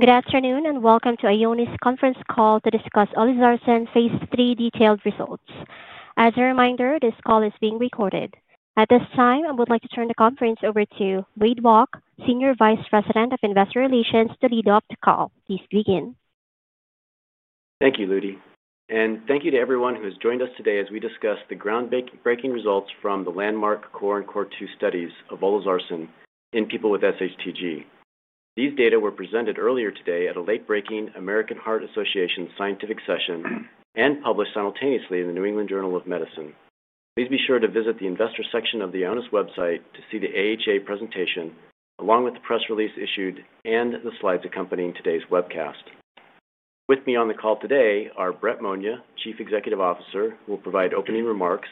Good afternoon and welcome to Ionis conference call to discuss Olizarsan phase 3 detailed results. As a reminder, this call is being recorded. At this time, I would like to turn the conference over to Wade Walke, Senior Vice President of Investor Relations, to lead up the call. Please begin. Thank you, Ludi. Thank you to everyone who has joined us today as we discuss the groundbreaking results from the landmark Core and Core 2 studies of Olizarsan in people with SHTG. These data were presented earlier today at a late-breaking American Heart Association scientific session and published simultaneously in the New England Journal of Medicine. Please be sure to visit the investor section of the Ionis website to see the AHA presentation, along with the press release issued and the slides accompanying today's webcast. With me on the call today are Brett Monia, Chief Executive Officer, who will provide opening remarks;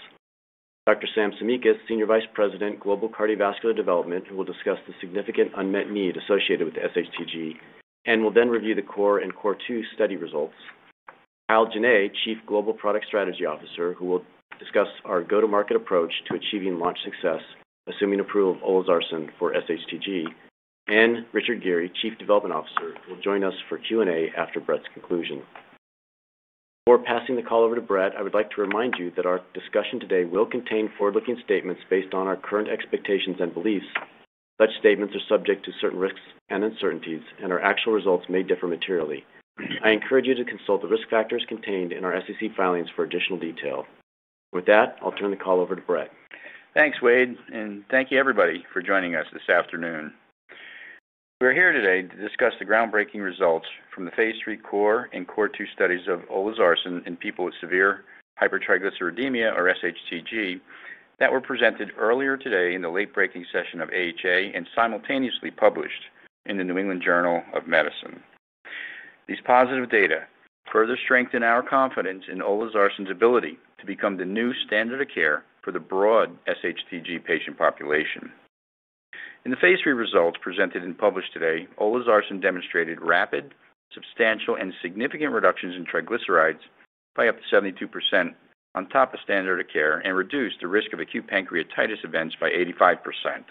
Dr. Sam Tsimikas, Senior Vice President, Global Cardiovascular Development, who will discuss the significant unmet need associated with SHTG, and will then review the Core and Core 2 study results, Kyle Jenay, Chief Global Product Strategy Officer, who will discuss our go-to-market approach to achieving launch success, assuming approval of Olizarsan for SHTG, and Richard Geary, Chief Development Officer, who will join us for Q&A after Brett's conclusion. Before passing the call over to Brett, I would like to remind you that our discussion today will contain forward-looking statements based on our current expectations and beliefs. Such statements are subject to certain risks and uncertainties, and our actual results may differ materially. I encourage you to consult the risk factors contained in our SEC filings for additional detail. With that, I'll turn the call over to Brett. Thanks, Wade, and thank you, everybody, for joining us this afternoon. We're here today to discuss the groundbreaking results from the phase 3 Core and Core 2 studies of Olizarsan in people with severe hypertriglyceridemia, or SHTG, that were presented earlier today in the late-breaking session of AHA and simultaneously published in the New England Journal of Medicine. These positive data further strengthen our confidence in Olizarsan's ability to become the new standard of care for the broad SHTG patient population. In the phase 3 results presented and published today, Olizarsan demonstrated rapid, substantial, and significant reductions in triglycerides by up to 72% on top of standard of care and reduced the risk of acute pancreatitis events by 85%.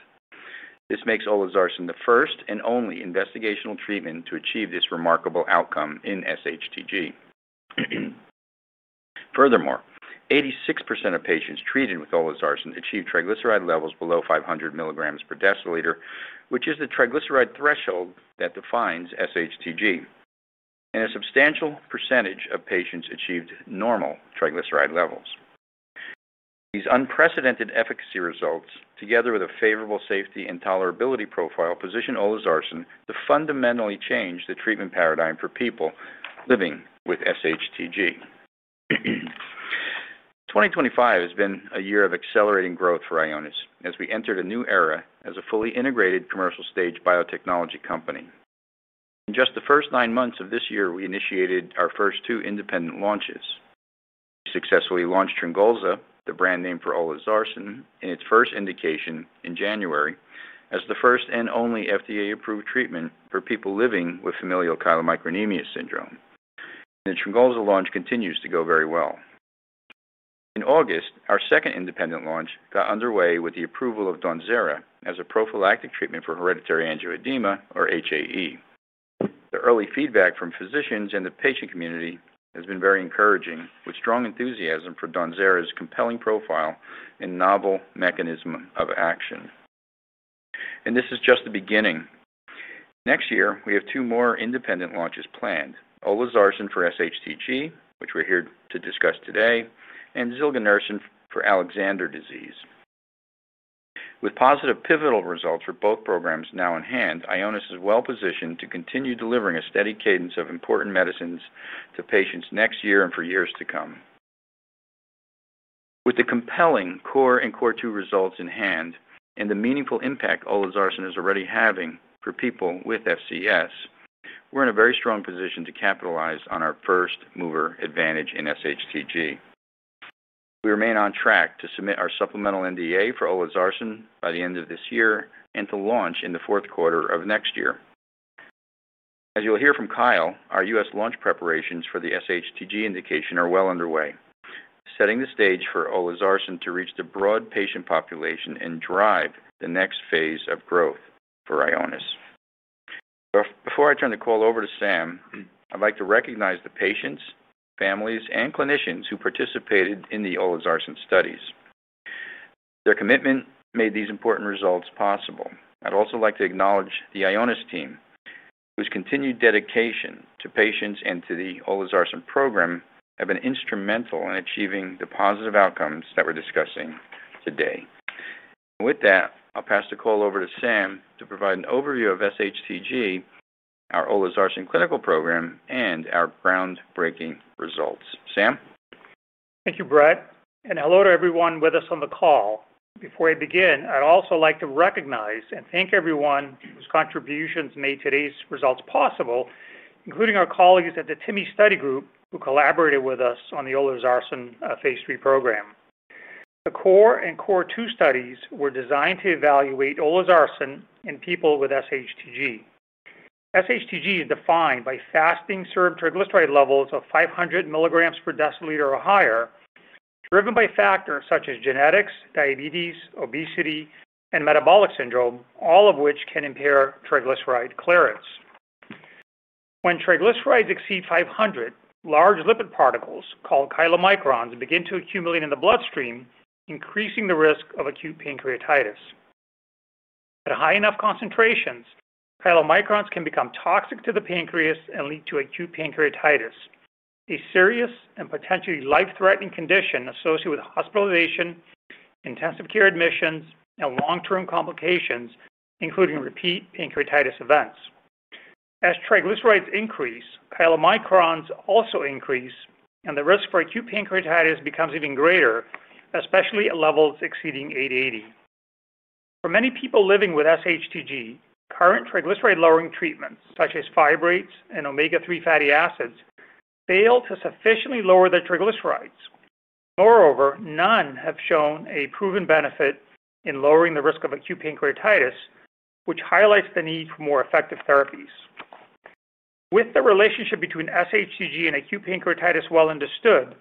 This makes Olizarsan the first and only investigational treatment to achieve this remarkable outcome in SHTG. Furthermore, 86% of patients treated with Olizarsan achieved triglyceride levels below 500 milligrams per deciliter, which is the triglyceride threshold that defines SHTG, and a substantial percentage of patients achieved normal triglyceride levels. These unprecedented efficacy results, together with a favorable safety and tolerability profile, position Olizarsan to fundamentally change the treatment paradigm for people living with SHTG. 2025 has been a year of accelerating growth for Ionis as we entered a new era as a fully integrated commercial-stage biotechnology company. In just the first nine months of this year, we initiated our first two independent launches. We successfully launched Tringulsa, the brand name for Olizarsan, in its first indication in January as the first and only FDA-approved treatment for people living with familial chylomicronemia syndrome. The Tringulsa launch continues to go very well. In August, our second independent launch got underway with the approval of Dawnzera as a prophylactic treatment for hereditary angioedema, or HAE. The early feedback from physicians and the patient community has been very encouraging, with strong enthusiasm for Dawnzera's compelling profile and novel mechanism of action. This is just the beginning. Next year, we have two more independent launches planned: Olizarsan for SHTG, which we're here to discuss today, and Zilgenersan for Alexander disease. With positive pivotal results for both programs now in hand, Ionis is well positioned to continue delivering a steady cadence of important medicines to patients next year and for years to come. With the compelling Core and Core 2 results in hand and the meaningful impact Olizarsan is already having for people with FCS, we're in a very strong position to capitalize on our first-mover advantage in SHTG. We remain on track to submit our supplemental NDA for Olizarsan by the end of this year and to launch in the fourth quarter of next year. As you'll hear from Kyle, our U.S. launch preparations for the SHTG indication are well underway, setting the stage for Olizarsan to reach the broad patient population and drive the next phase of growth for Ionis. Before I turn the call over to Sam, I'd like to recognize the patients, families, and clinicians who participated in the Olizarsan studies. Their commitment made these important results possible. I'd also like to acknowledge the Ionis team, whose continued dedication to patients and to the Olizarsan program have been instrumental in achieving the positive outcomes that we're discussing today. With that, I'll pass the call over to Sam to provide an overview of SHTG, our Olizarsan clinical program, and our groundbreaking results. Sam? Thank you, Brett. Hello to everyone with us on the call. Before I begin, I'd also like to recognize and thank everyone whose contributions made today's results possible, including our colleagues at the TIMI Study Group who collaborated with us on the Olizarsan phase 3 program. The Core and Core 2 studies were designed to evaluate Olizarsan in people with SHTG. SHTG is defined by fasting serum triglyceride levels of 500 milligrams per deciliter or higher, driven by factors such as genetics, diabetes, obesity, and metabolic syndrome, all of which can impair triglyceride clearance. When triglycerides exceed 500, large lipid particles called chylomicrons begin to accumulate in the bloodstream, increasing the risk of acute pancreatitis. At high enough concentrations, chylomicrons can become toxic to the pancreas and lead to acute pancreatitis, a serious and potentially life-threatening condition associated with hospitalization, intensive care admissions, and long-term complications, including repeat pancreatitis events. As triglycerides increase, chylomicrons also increase, and the risk for acute pancreatitis becomes even greater, especially at levels exceeding 880. For many people living with SHTG, current triglyceride-lowering treatments such as fibrates and omega-3 fatty acids fail to sufficiently lower their triglycerides. Moreover, none have shown a proven benefit in lowering the risk of acute pancreatitis, which highlights the need for more effective therapies. With the relationship between SHTG and acute pancreatitis well understood,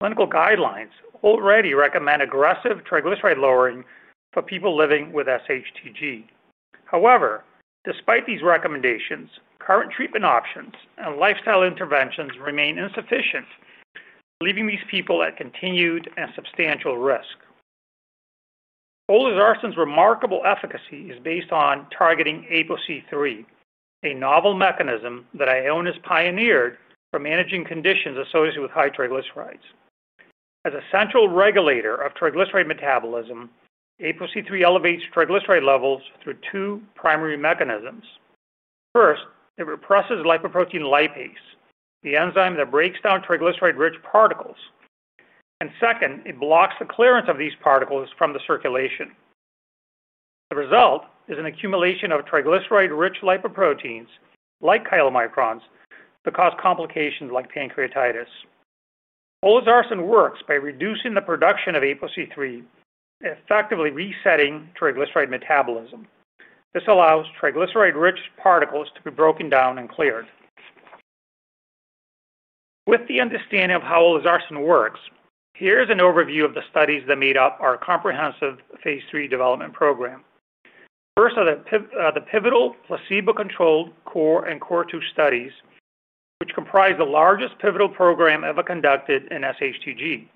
clinical guidelines already recommend aggressive triglyceride lowering for people living with SHTG. However, despite these recommendations, current treatment options and lifestyle interventions remain insufficient, leaving these people at continued and substantial risk. Olizarsan's remarkable efficacy is based on targeting ApoC3, a novel mechanism that Ionis pioneered for managing conditions associated with high triglycerides. As a central regulator of triglyceride metabolism, ApoC3 elevates triglyceride levels through two primary mechanisms. First, it represses lipoprotein lipase, the enzyme that breaks down triglyceride-rich particles. Second, it blocks the clearance of these particles from the circulation. The result is an accumulation of triglyceride-rich lipoproteins, like chylomicrons, that cause complications like pancreatitis. Olizarsan works by reducing the production of ApoC3, effectively resetting triglyceride metabolism. This allows triglyceride-rich particles to be broken down and cleared. With the understanding of how Olizarsan works, here is an overview of the studies that made up our comprehensive phase 3 development program. First are the pivotal placebo-controlled Core and Core 2 studies, which comprise the largest pivotal program ever conducted in SHTG.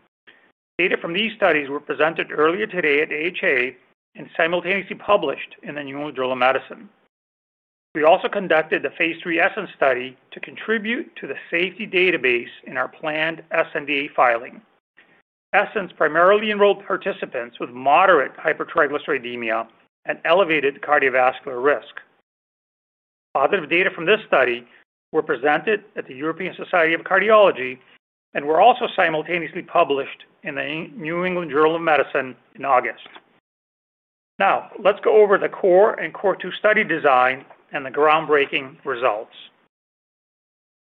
Data from these studies were presented earlier today at AHA and simultaneously published in the New England Journal of Medicine. We also conducted the phase 3 Essence study to contribute to the safety database in our planned sNDA filing. Essence primarily enrolled participants with moderate hypertriglyceridemia and elevated cardiovascular risk. Positive data from this study were presented at the European Society of Cardiology and were also simultaneously published in the New England Journal of Medicine in August. Now, let's go over the Core and Core 2 study design and the groundbreaking results.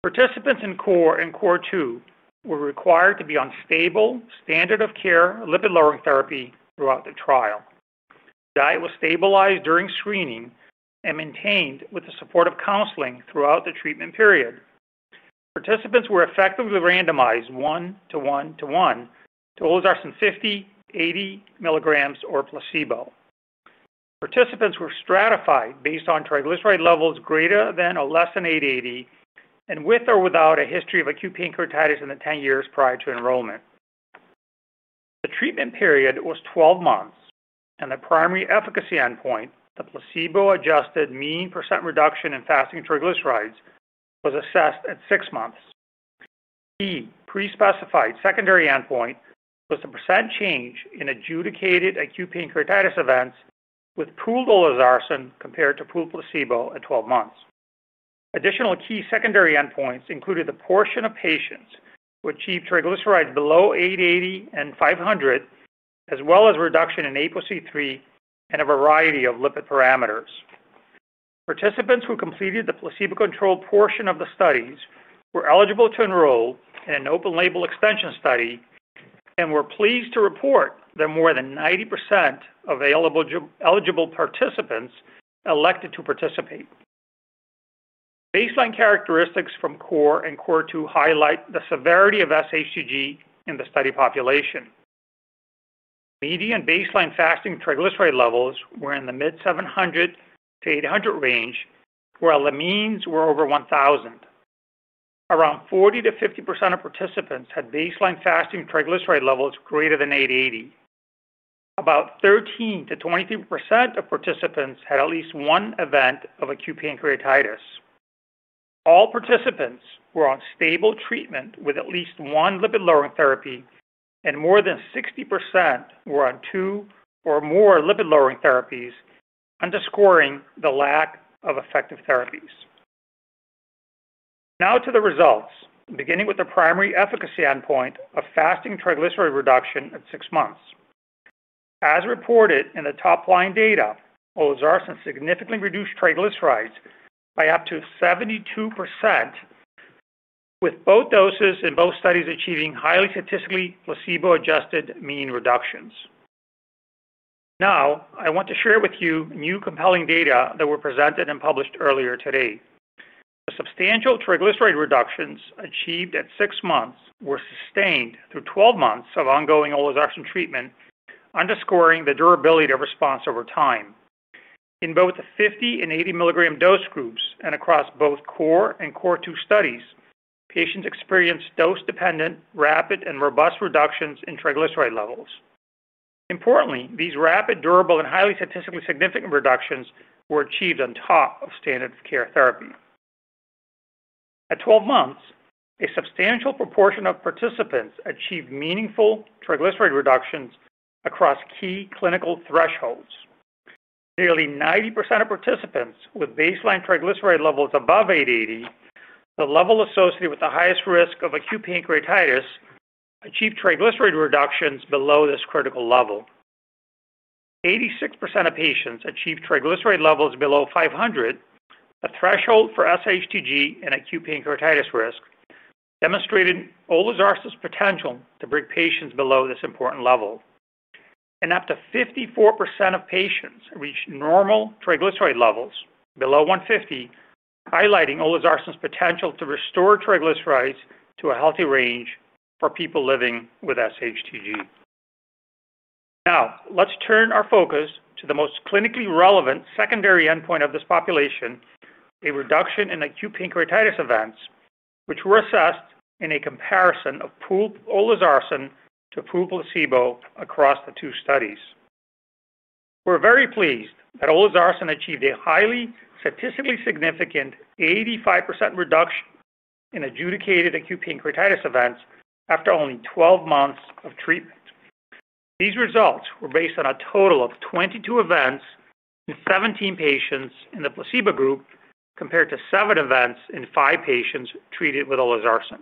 Participants in Core and Core 2 were required to be on stable standard of care lipid-lowering therapy throughout the trial. Their diet was stabilized during screening and maintained with the support of counseling throughout the treatment period. Participants were effectively randomized 1:1:1 to Olizarsan 50/80 milligrams or placebo. Participants were stratified based on triglyceride levels greater than or less than 880 and with or without a history of acute pancreatitis in the 10 years prior to enrollment. The treatment period was 12 months, and the primary efficacy endpoint, the placebo-adjusted mean % reduction in fasting triglycerides, was assessed at six months. The key pre-specified secondary endpoint was the % change in adjudicated acute pancreatitis events with pooled Olizarsan compared to pooled placebo at 12 months. Additional key secondary endpoints included the portion of patients who achieved triglycerides below 880 and 500, as well as reduction in ApoC3 and a variety of lipid parameters. Participants who completed the placebo-controlled portion of the studies were eligible to enroll in an open-label extension study and were pleased to report that more than 90% of eligible participants elected to participate. Baseline characteristics from Core and Core 2 highlight the severity of SHTG in the study population. Median baseline fasting triglyceride levels were in the mid-700-800 range, while the means were over 1,000. Around 40-50% of participants had baseline fasting triglyceride levels greater than 880. About 13-23% of participants had at least one event of acute pancreatitis. All participants were on stable treatment with at least one lipid-lowering therapy, and more than 60% were on two or more lipid-lowering therapies, underscoring the lack of effective therapies. Now to the results, beginning with the primary efficacy endpoint of fasting triglyceride reduction at six months. As reported in the top-line data, Olizarsan significantly reduced triglycerides by up to 72%, with both doses in both studies achieving highly statistically placebo-adjusted mean reductions. Now, I want to share with you new compelling data that were presented and published earlier today. The substantial triglyceride reductions achieved at six months were sustained through 12 months of ongoing Olizarsan treatment, underscoring the durability of response over time. In both the 50 and 80 milligram dose groups and across both Core and Core 2 studies, patients experienced dose-dependent, rapid, and robust reductions in triglyceride levels. Importantly, these rapid, durable, and highly statistically significant reductions were achieved on top of standard of care therapy. At 12 months, a substantial proportion of participants achieved meaningful triglyceride reductions across key clinical thresholds. Nearly 90% of participants with baseline triglyceride levels above 880, the level associated with the highest risk of acute pancreatitis, achieved triglyceride reductions below this critical level. 86% of patients achieved triglyceride levels below 500, the threshold for SHTG and acute pancreatitis risk, demonstrated Olizarsan's potential to bring patients below this important level. Up to 54% of patients reached normal triglyceride levels below 150, highlighting Olizarsan's potential to restore triglycerides to a healthy range for people living with SHTG. Now, let's turn our focus to the most clinically relevant secondary endpoint of this population, a reduction in acute pancreatitis events, which were assessed in a comparison of pooled Olizarsan to pooled placebo across the two studies. We're very pleased that Olizarsan achieved a highly statistically significant 85% reduction in adjudicated acute pancreatitis events after only 12 months of treatment. These results were based on a total of 22 events in 17 patients in the placebo group compared to seven events in five patients treated with Olizarsan.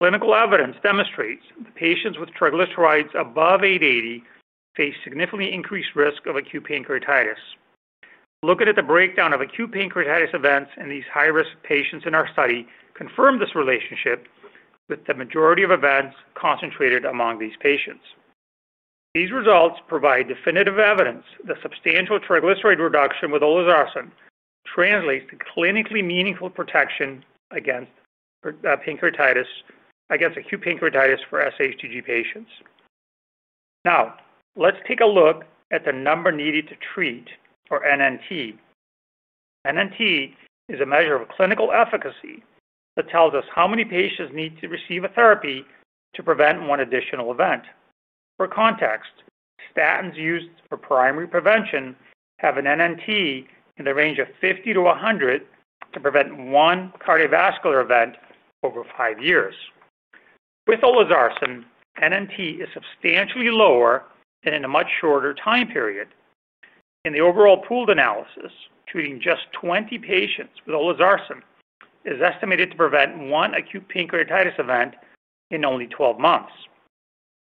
Clinical evidence demonstrates that patients with triglycerides above 880 face significantly increased risk of acute pancreatitis. Looking at the breakdown of acute pancreatitis events in these high-risk patients in our study confirmed this relationship with the majority of events concentrated among these patients. These results provide definitive evidence that substantial triglyceride reduction with Olizarsan translates to clinically meaningful protection against acute pancreatitis for SHTG patients. Now, let's take a look at the number needed to treat, or NNT. NNT is a measure of clinical efficacy that tells us how many patients need to receive a therapy to prevent one additional event. For context, statins used for primary prevention have an NNT in the range of 50-100 to prevent one cardiovascular event over five years. With Olizarsan, NNT is substantially lower and in a much shorter time period. In the overall pooled analysis, treating just 20 patients with Olizarsan is estimated to prevent one acute pancreatitis event in only 12 months.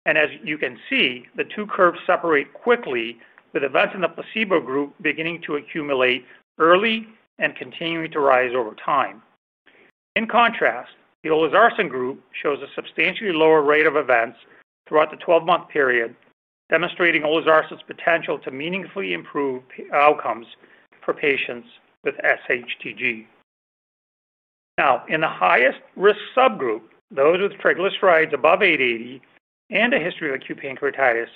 As you can see, the two curves separate quickly, with events in the placebo group beginning to accumulate early and continuing to rise over time. In contrast, the Olizarsan group shows a substantially lower rate of events throughout the 12-month period, demonstrating Olizarsan's potential to meaningfully improve outcomes for patients with SHTG. Now, in the highest risk subgroup, those with triglycerides above 880 and a history of acute pancreatitis,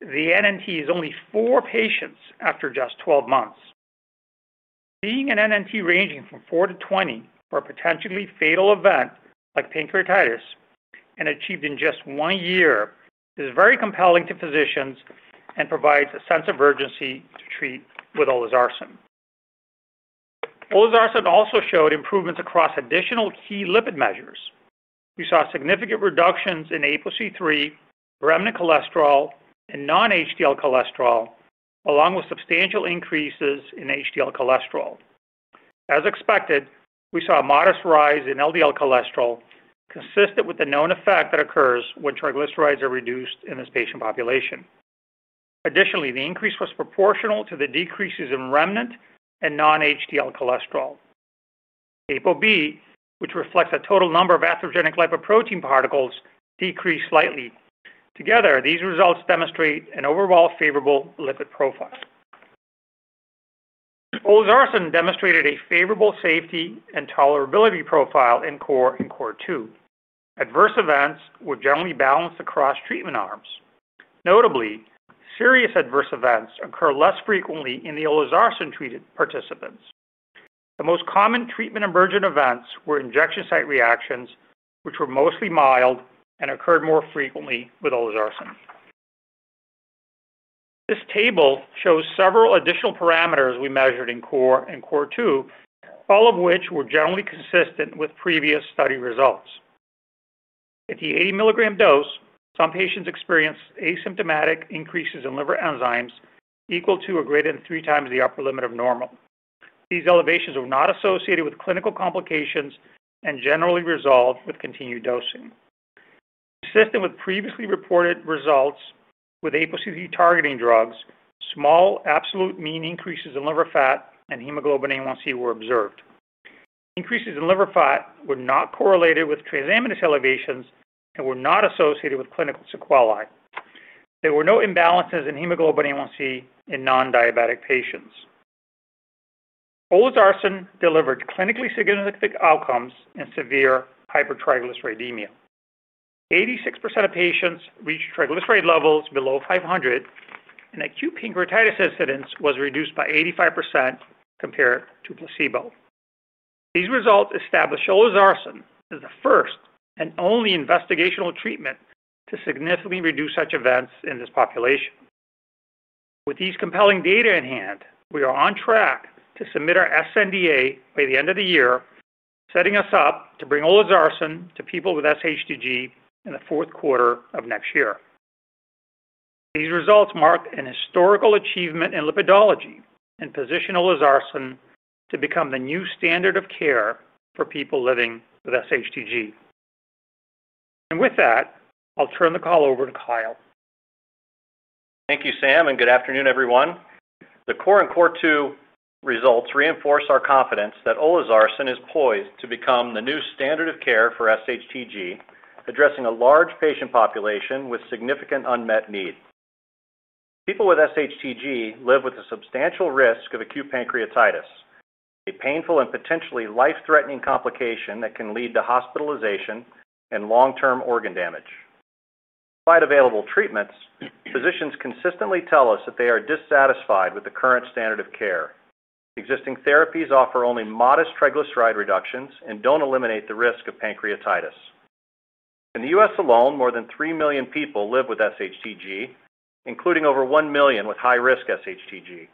the NNT is only four patients after just 12 months. Seeing an NNT ranging from 4-20 for a potentially fatal event like pancreatitis and achieved in just one year is very compelling to physicians and provides a sense of urgency to treat with Olizarsan. Olizarsan also showed improvements across additional key lipid measures. We saw significant reductions in ApoC3, remnant cholesterol, and non-HDL cholesterol, along with substantial increases in HDL cholesterol. As expected, we saw a modest rise in LDL cholesterol, consistent with the known effect that occurs when triglycerides are reduced in this patient population. Additionally, the increase was proportional to the decreases in remnant and non-HDL cholesterol. ApoB, which reflects a total number of atherogenic lipoprotein particles, decreased slightly. Together, these results demonstrate an overall favorable lipid profile. Olizarsan demonstrated a favorable safety and tolerability profile in Core and Core 2. Adverse events were generally balanced across treatment arms. Notably, serious adverse events occurred less frequently in the Olizarsan-treated participants. The most common treatment emergent events were injection site reactions, which were mostly mild and occurred more frequently with Olizarsan. This table shows several additional parameters we measured in Core and Core 2, all of which were generally consistent with previous study results. At the 80 milligram dose, some patients experienced asymptomatic increases in liver enzymes equal to or greater than three times the upper limit of normal. These elevations were not associated with clinical complications and generally resolved with continued dosing. Consistent with previously reported results with ApoC3 targeting drugs, small absolute mean increases in liver fat and hemoglobin A1C were observed. Increases in liver fat were not correlated with transaminase elevations and were not associated with clinical sequelae. There were no imbalances in hemoglobin A1C in non-diabetic patients. Olizarsan delivered clinically significant outcomes in severe hypertriglyceridemia. 86% of patients reached triglyceride levels below 500, and acute pancreatitis incidence was reduced by 85% compared to placebo. These results established Olizarsan as the first and only investigational treatment to significantly reduce such events in this population. With these compelling data in hand, we are on track to submit our sNDA by the end of the year, setting us up to bring Olizarsan to people with SHTG in the fourth quarter of next year. These results marked a historical achievement in lipidology and position Olizarsan to become the new standard of care for people living with SHTG. With that, I'll turn the call over to Kyle. Thank you, Sam, and good afternoon, everyone. The Core and Core 2 results reinforce our confidence that Olizarsan is poised to become the new standard of care for SHTG, addressing a large patient population with significant unmet need. People with SHTG live with a substantial risk of acute pancreatitis, a painful and potentially life-threatening complication that can lead to hospitalization and long-term organ damage. Despite available treatments, physicians consistently tell us that they are dissatisfied with the current standard of care. Existing therapies offer only modest triglyceride reductions and do not eliminate the risk of pancreatitis. In the U.S. alone, more than 3 million people live with SHTG, including over 1 million with high-risk SHTG.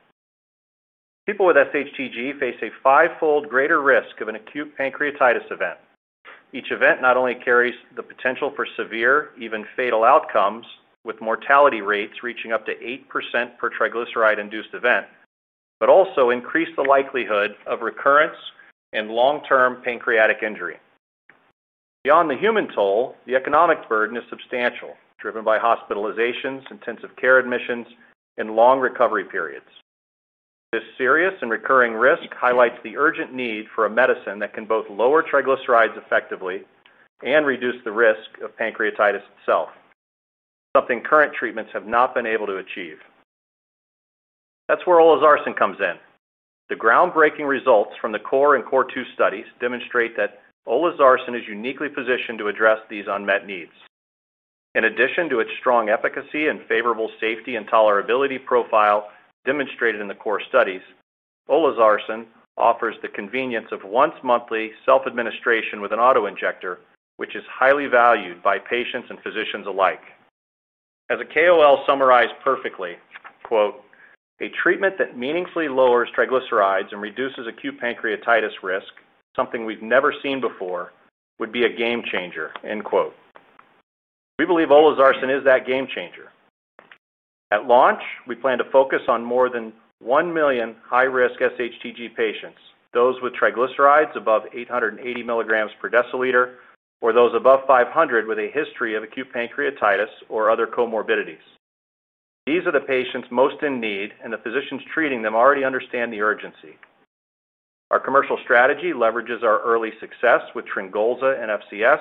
People with SHTG face a five-fold greater risk of an acute pancreatitis event. Each event not only carries the potential for severe, even fatal outcomes, with mortality rates reaching up to 8% per triglyceride-induced event, but also increases the likelihood of recurrence and long-term pancreatic injury. Beyond the human toll, the economic burden is substantial, driven by hospitalizations, intensive care admissions, and long recovery periods. This serious and recurring risk highlights the urgent need for a medicine that can both lower triglycerides effectively and reduce the risk of pancreatitis itself, something current treatments have not been able to achieve. That's where Olizarsan comes in. The groundbreaking results from the Core and Core 2 studies demonstrate that Olizarsan is uniquely positioned to address these unmet needs. In addition to its strong efficacy and favorable safety and tolerability profile demonstrated in the Core studies, Olizarsan offers the convenience of once-monthly self-administration with an autoinjector, which is highly valued by patients and physicians alike. As a KOL summarized perfectly, "A treatment that meaningfully lowers triglycerides and reduces acute pancreatitis risk, something we've never seen before, would be a game changer." We believe Olizarsan is that game changer. At launch, we plan to focus on more than 1 million high-risk SHTG patients, those with triglycerides above 880 milligrams per deciliter, or those above 500 with a history of acute pancreatitis or other comorbidities. These are the patients most in need, and the physicians treating them already understand the urgency. Our commercial strategy leverages our early success with Tringulsa and FCS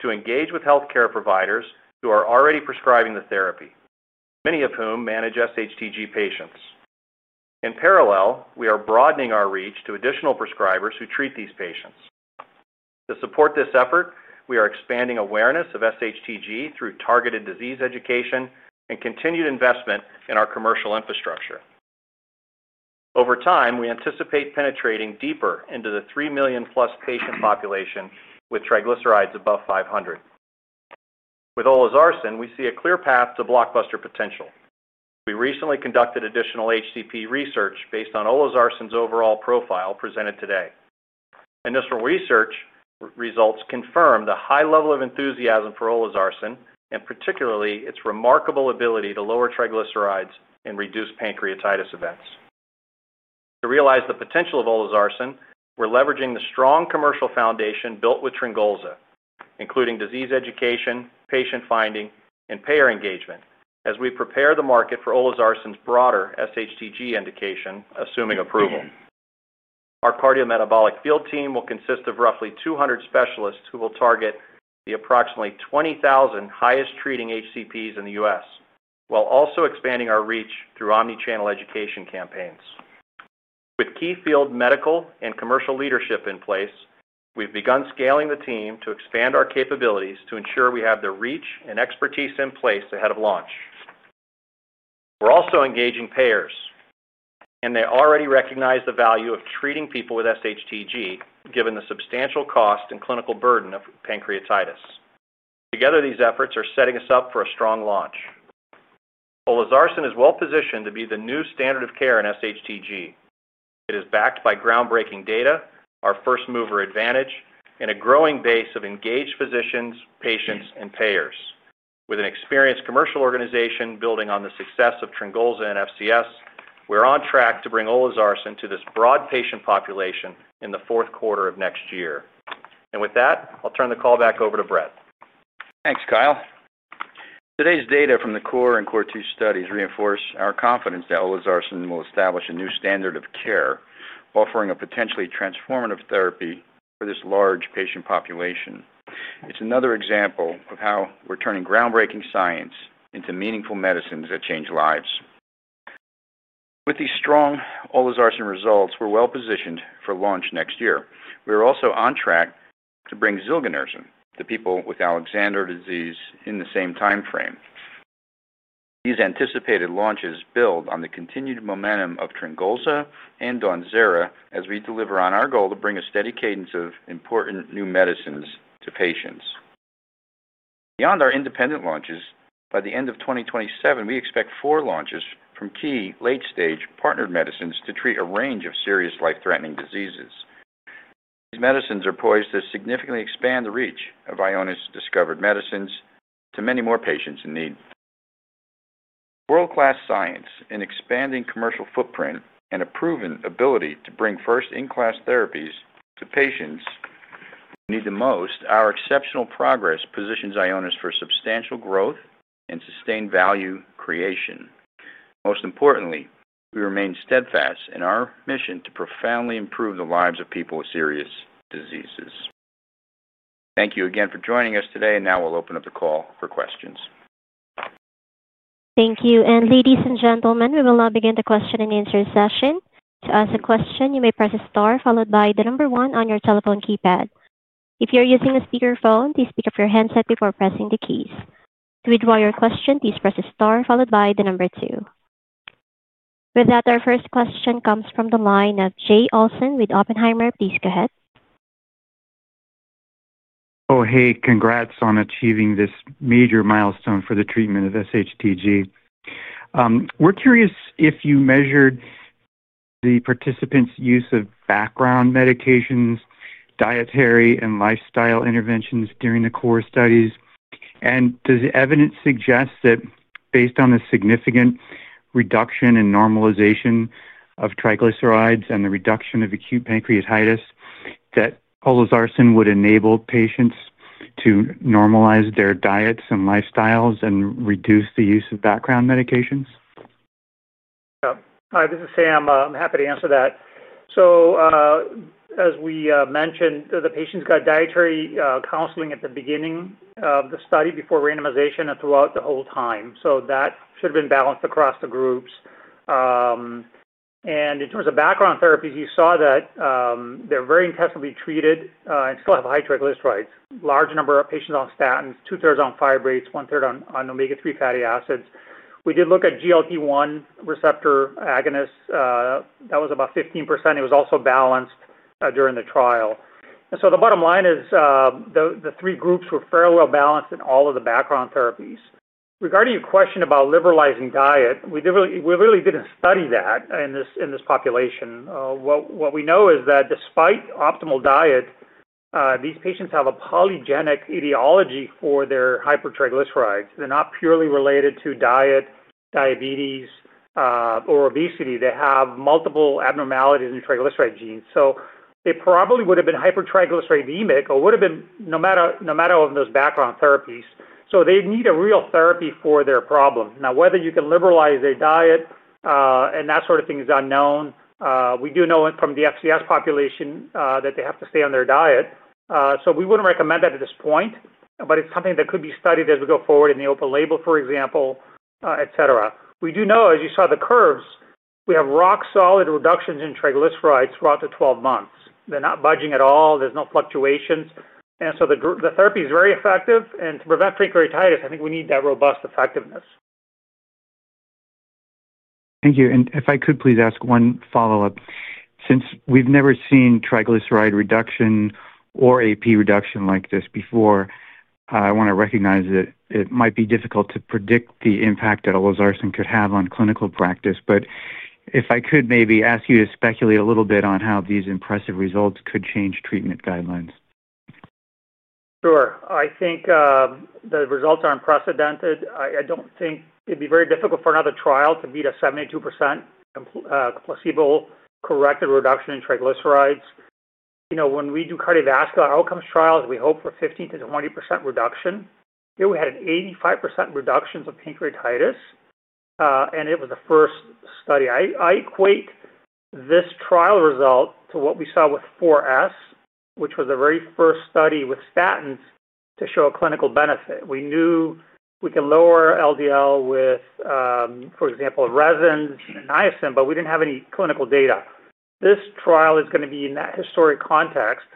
to engage with healthcare providers who are already prescribing the therapy, many of whom manage SHTG patients. In parallel, we are broadening our reach to additional prescribers who treat these patients. To support this effort, we are expanding awareness of SHTG through targeted disease education and continued investment in our commercial infrastructure. Over time, we anticipate penetrating deeper into the 3 million-plus patient population with triglycerides above 500. With Olizarsan, we see a clear path to blockbuster potential. We recently conducted additional HCP research based on Olizarsan's overall profile presented today. Initial research results confirm the high level of enthusiasm for Olizarsan and particularly its remarkable ability to lower triglycerides and reduce pancreatitis events. To realize the potential of Olizarsan, we're leveraging the strong commercial foundation built with Tringulsa, including disease education, patient finding, and payer engagement, as we prepare the market for Olizarsan's broader SHTG indication, assuming approval. Our cardiometabolic field team will consist of roughly 200 specialists who will target the approximately 20,000 highest-treating HCPs in the US, while also expanding our reach through omnichannel education campaigns. With key field medical and commercial leadership in place, we've begun scaling the team to expand our capabilities to ensure we have the reach and expertise in place ahead of launch. We're also engaging payers, and they already recognize the value of treating people with SHTG, given the substantial cost and clinical burden of pancreatitis. Together, these efforts are setting us up for a strong launch. Olizarsan is well-positioned to be the new standard of care in SHTG. It is backed by groundbreaking data, our first-mover advantage, and a growing base of engaged physicians, patients, and payers. With an experienced commercial organization building on the success of Tringulsa and FCS, we're on track to bring Olizarsan to this broad patient population in the fourth quarter of next year. With that, I'll turn the call back over to Brett. Thanks, Kyle. Today's data from the Core and Core 2 studies reinforce our confidence that Olizarsan will establish a new standard of care, offering a potentially transformative therapy for this large patient population. It's another example of how we're turning groundbreaking science into meaningful medicines that change lives. With these strong Olizarsan results, we're well-positioned for launch next year. We are also on track to bring Zilgenersan to people with Alexander disease in the same time frame. These anticipated launches build on the continued momentum of Tringulsa and Dawnzera as we deliver on our goal to bring a steady cadence of important new medicines to patients. Beyond our independent launches, by the end of 2027, we expect four launches from key late-stage partnered medicines to treat a range of serious life-threatening diseases. These medicines are poised to significantly expand the reach of Ionis Discovered Medicines to many more patients in need. World-class science, an expanding commercial footprint, and a proven ability to bring first-in-class therapies to patients who need them most, our exceptional progress positions Ionis for substantial growth and sustained value creation. Most importantly, we remain steadfast in our mission to profoundly improve the lives of people with serious diseases. Thank you again for joining us today, and now we'll open up the call for questions. Thank you. Ladies and gentlemen, we will now begin the question and answer session. To ask a question, you may press a star followed by the number one on your telephone keypad. If you're using a speakerphone, please pick up your handset before pressing the keys. To withdraw your question, please press a star followed by the number two. With that, our first question comes from the line of Jay Olsen with Oppenheimer. Please go ahead. Oh, hey. Congrats on achieving this major milestone for the treatment of SHTG. We're curious if you measured the participants' use of background medications, dietary, and lifestyle interventions during the Core studies. Does the evidence suggest that, based on the significant reduction and normalization of triglycerides and the reduction of acute pancreatitis, Olizarsan would enable patients to normalize their diets and lifestyles and reduce the use of background medications? Hi, this is Sam. I'm happy to answer that. As we mentioned, the patients got dietary counseling at the beginning of the study before randomization and throughout the whole time. That should have been balanced across the groups. In terms of background therapies, you saw that they're very intensively treated and still have high triglycerides. Large number of patients on statins, two-thirds on fibrates, one-third on omega-3 fatty acids. We did look at GLP-1 receptor agonist. That was about 15%. It was also balanced during the trial. The bottom line is the three groups were fairly well-balanced in all of the background therapies. Regarding your question about liberalizing diet, we really didn't study that in this population. What we know is that despite optimal diet, these patients have a polygenic etiology for their hypertriglycerides. They're not purely related to diet, diabetes, or obesity. They have multiple abnormalities in triglyceride genes. They probably would have been hypertriglyceridemic or would have been no matter of those background therapies. They need a real therapy for their problem. Now, whether you can liberalize their diet and that sort of thing is unknown. We do know from the FCS population that they have to stay on their diet. We wouldn't recommend that at this point, but it's something that could be studied as we go forward in the open label, for example, etc. We do know, as you saw the curves, we have rock-solid reductions in triglycerides throughout the 12 months. They're not budging at all. There's no fluctuations. The therapy is very effective. To prevent pancreatitis, I think we need that robust effectiveness. Thank you. If I could please ask one follow-up. Since we've never seen triglyceride reduction or ApoC3 reduction like this before, I want to recognize that it might be difficult to predict the impact that Olizarsan could have on clinical practice. If I could maybe ask you to speculate a little bit on how these impressive results could change treatment guidelines. Sure. I think the results are unprecedented. I don't think it'd be very difficult for another trial to beat a 72% placebo-corrected reduction in triglycerides. When we do cardiovascular outcomes trials, we hope for 15-20% reduction. Here we had an 85% reduction for pancreatitis, and it was the first study. I equate this trial result to what we saw with 4S, which was the very first study with statins to show a clinical benefit. We knew we could lower LDL with, for example, resins and niacin, but we did not have any clinical data. This trial is going to be in that historic context.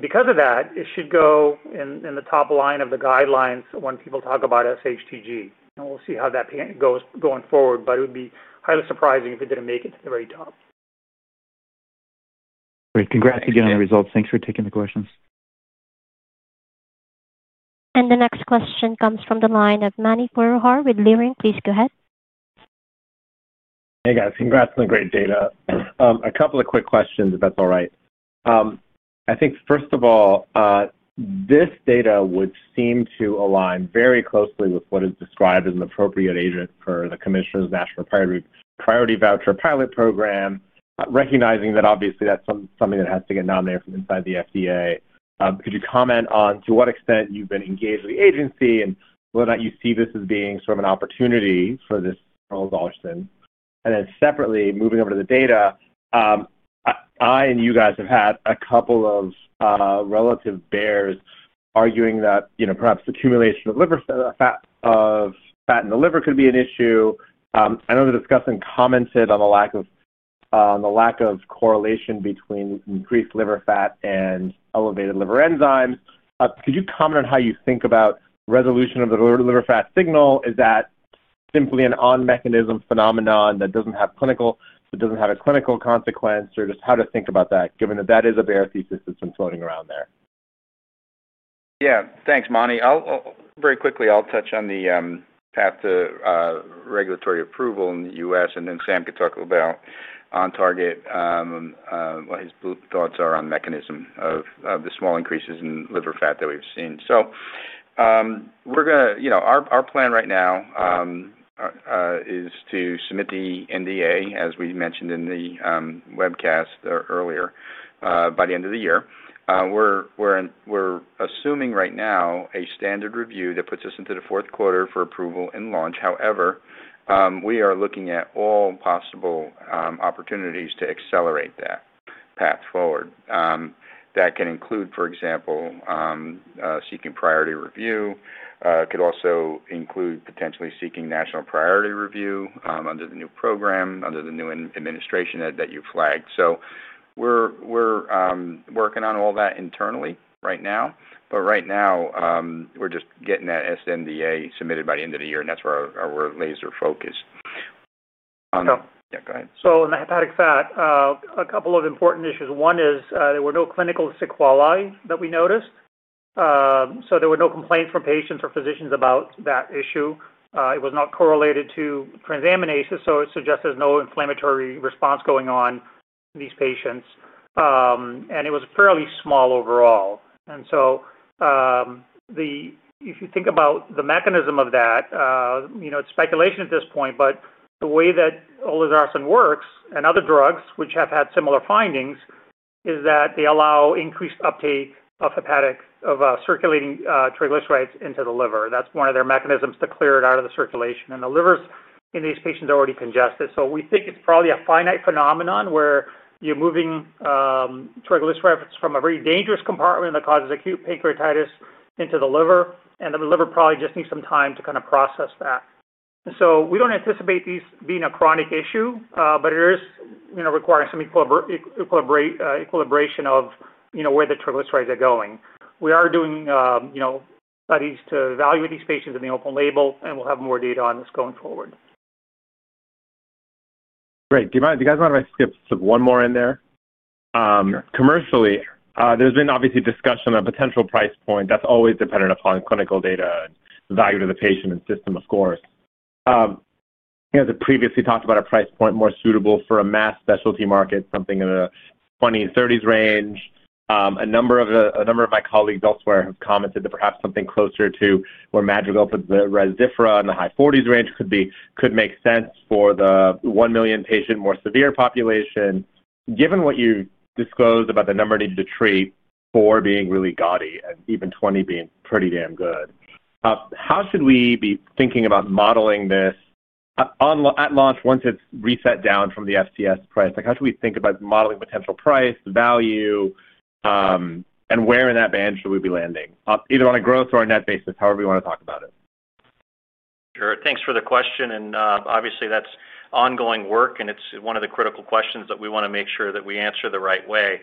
Because of that, it should go in the top line of the guidelines when people talk about SHTG. We will see how that goes going forward, but it would be highly surprising if it did not make it to the very top. Great. Congrats again on the results. Thanks for taking the questions. The next question comes from the line of Manny Ferrehar with Luring. Please go ahead. Hey, guys. Congrats on the great data. A couple of quick questions, if that is all right. I think, first of all, this data would seem to align very closely with what is described as an appropriate agent for the Commissioner's National Priority Voucher Pilot Program, recognizing that obviously that's something that has to get nominated from inside the FDA. Could you comment on to what extent you've been engaged with the agency and whether or not you see this as being sort of an opportunity for this Olizarsan? Then separately, moving over to the data, I and you guys have had a couple of relative bears arguing that perhaps the accumulation of fat in the liver could be an issue. I know the discussion commented on the lack of correlation between increased liver fat and elevated liver enzymes. Could you comment on how you think about resolution of the liver fat signal? Is that simply an on-mechanism phenomenon that doesn't have clinical consequence, or just how to think about that, given that that is a bear thesis that's been floating around there? Yeah. Thanks, Mani. Very quickly, I'll touch on the path to regulatory approval in the U.S., and then Sam can talk about OnTarget, what his thoughts are on mechanism of the small increases in liver fat that we've seen. Our plan right now is to submit the NDA, as we mentioned in the webcast earlier, by the end of the year. We're assuming right now a standard review that puts us into the fourth quarter for approval and launch. However, we are looking at all possible opportunities to accelerate that path forward. That can include, for example, seeking priority review. It could also include potentially seeking national priority review under the new program, under the new administration that you've flagged. We're working on all that internally right now. Right now, we're just getting that sNDA submitted by the end of the year, and that's where our laser focus is on. Yeah, go ahead. In the hepatic fat, a couple of important issues. One is there were no clinical sequelae that we noticed. There were no complaints from patients or physicians about that issue. It was not correlated to transaminases, so it suggests there's no inflammatory response going on in these patients. It was fairly small overall. If you think about the mechanism of that, it's speculation at this point, but the way that Olizarsan works and other drugs, which have had similar findings, is that they allow increased uptake of circulating triglycerides into the liver. That's one of their mechanisms to clear it out of the circulation. The livers in these patients are already congested. We think it's probably a finite phenomenon where you're moving triglycerides from a very dangerous compartment that causes acute pancreatitis into the liver, and the liver probably just needs some time to kind of process that. We don't anticipate these being a chronic issue, but it is requiring some equilibration of where the triglycerides are going. We are doing studies to evaluate these patients in the open label, and we'll have more data on this going forward. Great. Do you guys mind if I slip one more in there? Sure. Commercially, there's been obviously discussion of a potential price point that's always dependent upon clinical data and value to the patient and system, of course. I think I previously talked about a price point more suitable for a mass specialty market, something in the $20,000-$30,000 range. A number of my colleagues elsewhere have commented that perhaps something closer to where Madrigal puts the Resifra in the high $40,000 range could make sense for the 1 million patient more severe population. Given what you disclosed about the number needed to treat, 4 being really gaudy and even 20 being pretty damn good, how should we be thinking about modeling this at launch once it's reset down from the FCS price? How should we think about modeling potential price, value, and where in that band should we be landing, either on a growth or a net basis, however you want to talk about it? Sure. Thanks for the question. Obviously, that's ongoing work, and it's one of the critical questions that we want to make sure that we answer the right way.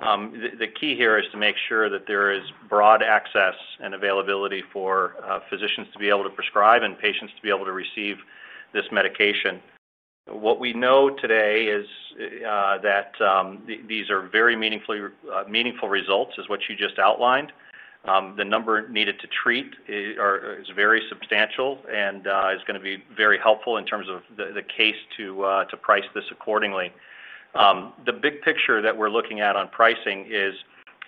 The key here is to make sure that there is broad access and availability for physicians to be able to prescribe and patients to be able to receive this medication. What we know today is that these are very meaningful results, is what you just outlined. The number needed to treat is very substantial and is going to be very helpful in terms of the case to price this accordingly. The big picture that we're looking at on pricing is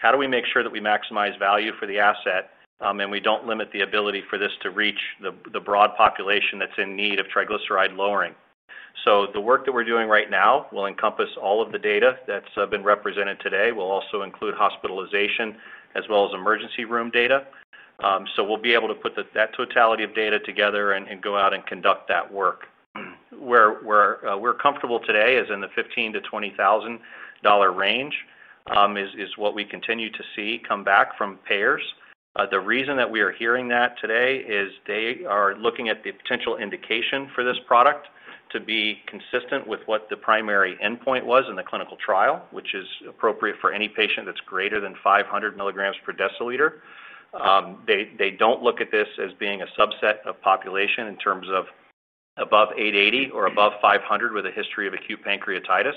how do we make sure that we maximize value for the asset and we don't limit the ability for this to reach the broad population that's in need of triglyceride lowering. The work that we're doing right now will encompass all of the data that's been represented today. We'll also include hospitalization as well as emergency room data. We'll be able to put that totality of data together and go out and conduct that work. Where we're comfortable today is in the $15,000-$20,000 range is what we continue to see come back from payers. The reason that we are hearing that today is they are looking at the potential indication for this product to be consistent with what the primary endpoint was in the clinical trial, which is appropriate for any patient that's greater than 500 milligrams per deciliter. They don't look at this as being a subset of population in terms of above 880 or above 500 with a history of acute pancreatitis.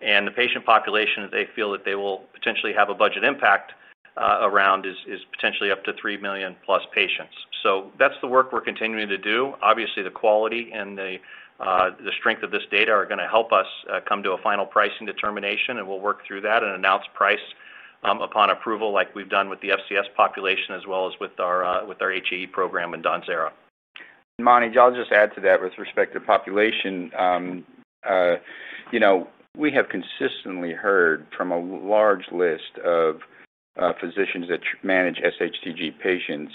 The patient population that they feel that they will potentially have a budget impact around is potentially up to 3 million plus patients. That's the work we're continuing to do. Obviously, the quality and the strength of this data are going to help us come to a final pricing determination, and we'll work through that and announce price upon approval like we've done with the FCS population as well as with our HAE program and Dawnzera. Mani, I'll just add to that with respect to population. We have consistently heard from a large list of physicians that manage SHTG patients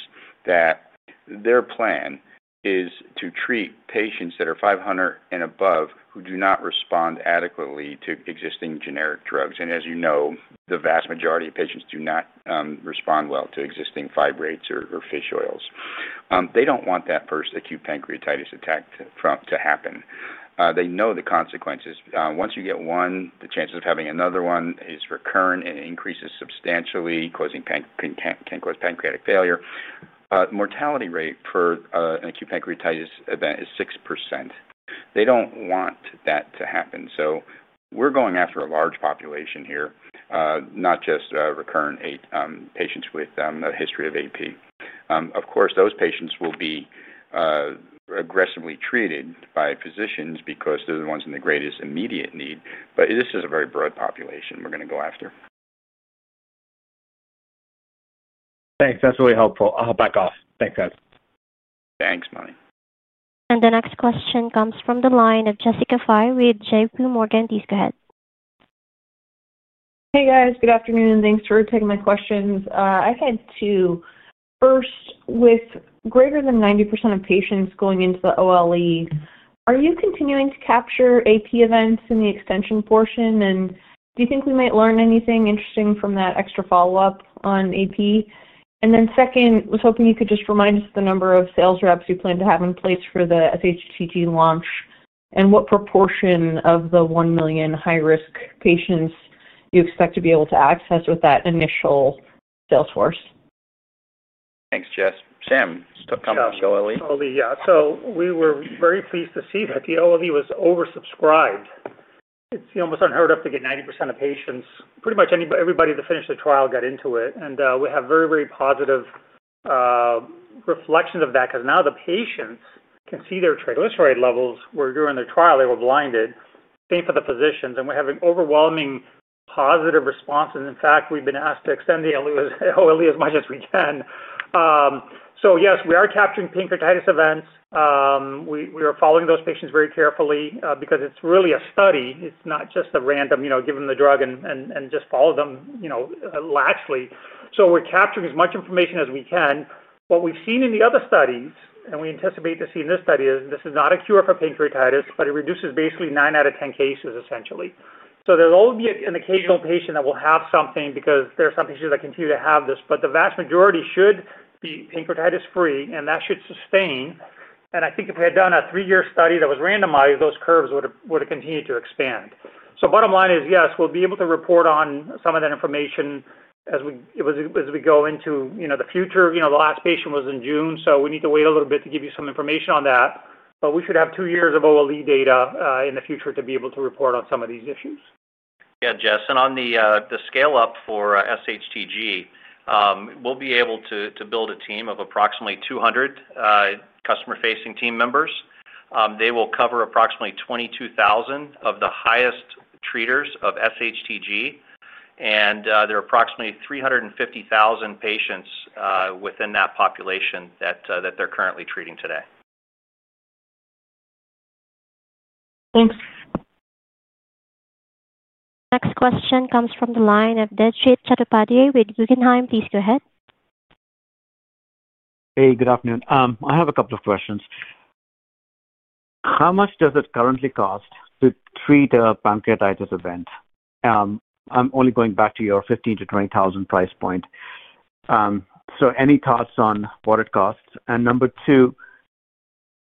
that their plan is to treat patients that are 500 and above who do not respond adequately to existing generic drugs. As you know, the vast majority of patients do not respond well to existing fibrates or fish oils. They do not want that first acute pancreatitis attack to happen. They know the consequences. Once you get one, the chances of having another one is recurrent and increases substantially, can cause pancreatic failure. Mortality rate for an acute pancreatitis event is 6%. They do not want that to happen. We are going after a large population here, not just recurrent patients with a history of AP. Of course, those patients will be aggressively treated by physicians because they are the ones in the greatest immediate need. This is a very broad population we're going to go after. Thanks. That's really helpful. I'll back off. Thanks, guys. Thanks, Mani. The next question comes from the line of Jessica Farr with JP Morgan. Please go ahead. Hey, guys. Good afternoon. Thanks for taking my questions. I had two. First, with greater than 90% of patients going into the OLE, are you continuing to capture AP events in the extension portion? Do you think we might learn anything interesting from that extra follow-up on AP? Second, was hoping you could just remind us the number of sales reps you plan to have in place for the SHTG launch and what proportion of the 1 million high-risk patients you expect to be able to access with that initial sales force? Thanks, Jess. Sam, still coming from the OLE? Yeah. We were very pleased to see that the OLE was oversubscribed. It's almost unheard of to get 90% of patients. Pretty much everybody that finished the trial got into it. We have very, very positive reflections of that because now the patients can see their triglyceride levels where during the trial they were blinded. Same for the physicians. We're having overwhelming positive responses. In fact, we've been asked to extend the OLE as much as we can. Yes, we are capturing pancreatitis events. We are following those patients very carefully because it's really a study. It's not just a random give them the drug and just follow them laxly. We're capturing as much information as we can. What we've seen in the other studies, and we anticipate to see in this study, is this is not a cure for pancreatitis, but it reduces basically 9 out of 10 cases, essentially. There'll always be an occasional patient that will have something because there are some patients that continue to have this. The vast majority should be pancreatitis-free, and that should sustain. I think if we had done a three-year study that was randomized, those curves would have continued to expand. Bottom line is, yes, we'll be able to report on some of that information as we go into the future. The last patient was in June, so we need to wait a little bit to give you some information on that. We should have two years of OLE data in the future to be able to report on some of these issues. Yeah, Jess. On the scale-up for SHTG, we'll be able to build a team of approximately 200 customer-facing team members. They will cover approximately 22,000 of the highest treaters of SHTG. There are approximately 350,000 patients within that population that they're currently treating today. Thanks. Next question comes from the line of Detroit Cador Paddy with Guggenheim. Please go ahead. Hey, good afternoon. I have a couple of questions. How much does it currently cost to treat a pancreatitis event? I'm only going back to your $15,000-$20,000 price point. Any thoughts on what it costs? Number two,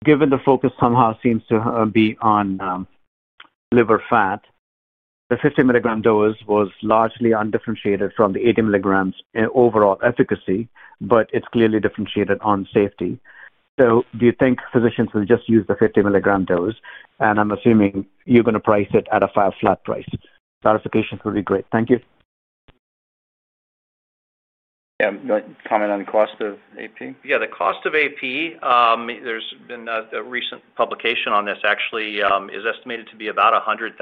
given the focus somehow seems to be on liver fat, the 50 milligram dose was largely undifferentiated from the 80 milligrams overall efficacy, but it's clearly differentiated on safety. Do you think physicians will just use the 50 milligram dose? I'm assuming you're going to price it at a flat price. Clarifications would be great. Thank you. Yeah. Comment on the cost of AP? Yeah. The cost of AP, there's been a recent publication on this, actually, is estimated to be about $100,000.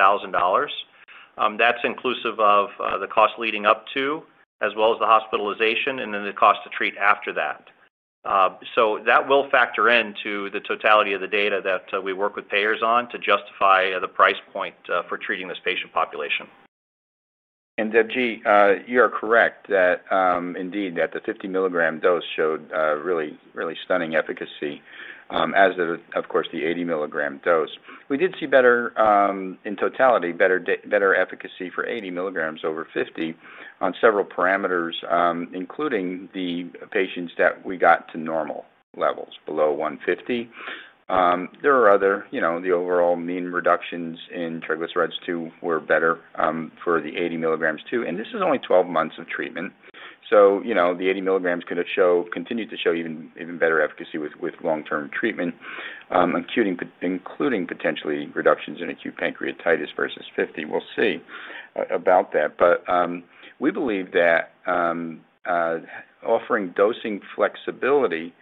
That's inclusive of the cost leading up to, as well as the hospitalization, and then the cost to treat after that. That will factor into the totality of the data that we work with payers on to justify the price point for treating this patient population. Deb G, you're correct that indeed the 50 milligram dose showed really stunning efficacy, as did, of course, the 80 milligram dose. We did see better in totality, better efficacy for 80 milligrams over 50 on several parameters, including the patients that we got to normal levels below 150. There are other the overall mean reductions in triglycerides too were better for the 80 milligrams too. This is only 12 months of treatment. The 80 milligrams could continue to show even better efficacy with long-term treatment, including potentially reductions in acute pancreatitis versus 50. We'll see about that. We believe that offering dosing flexibility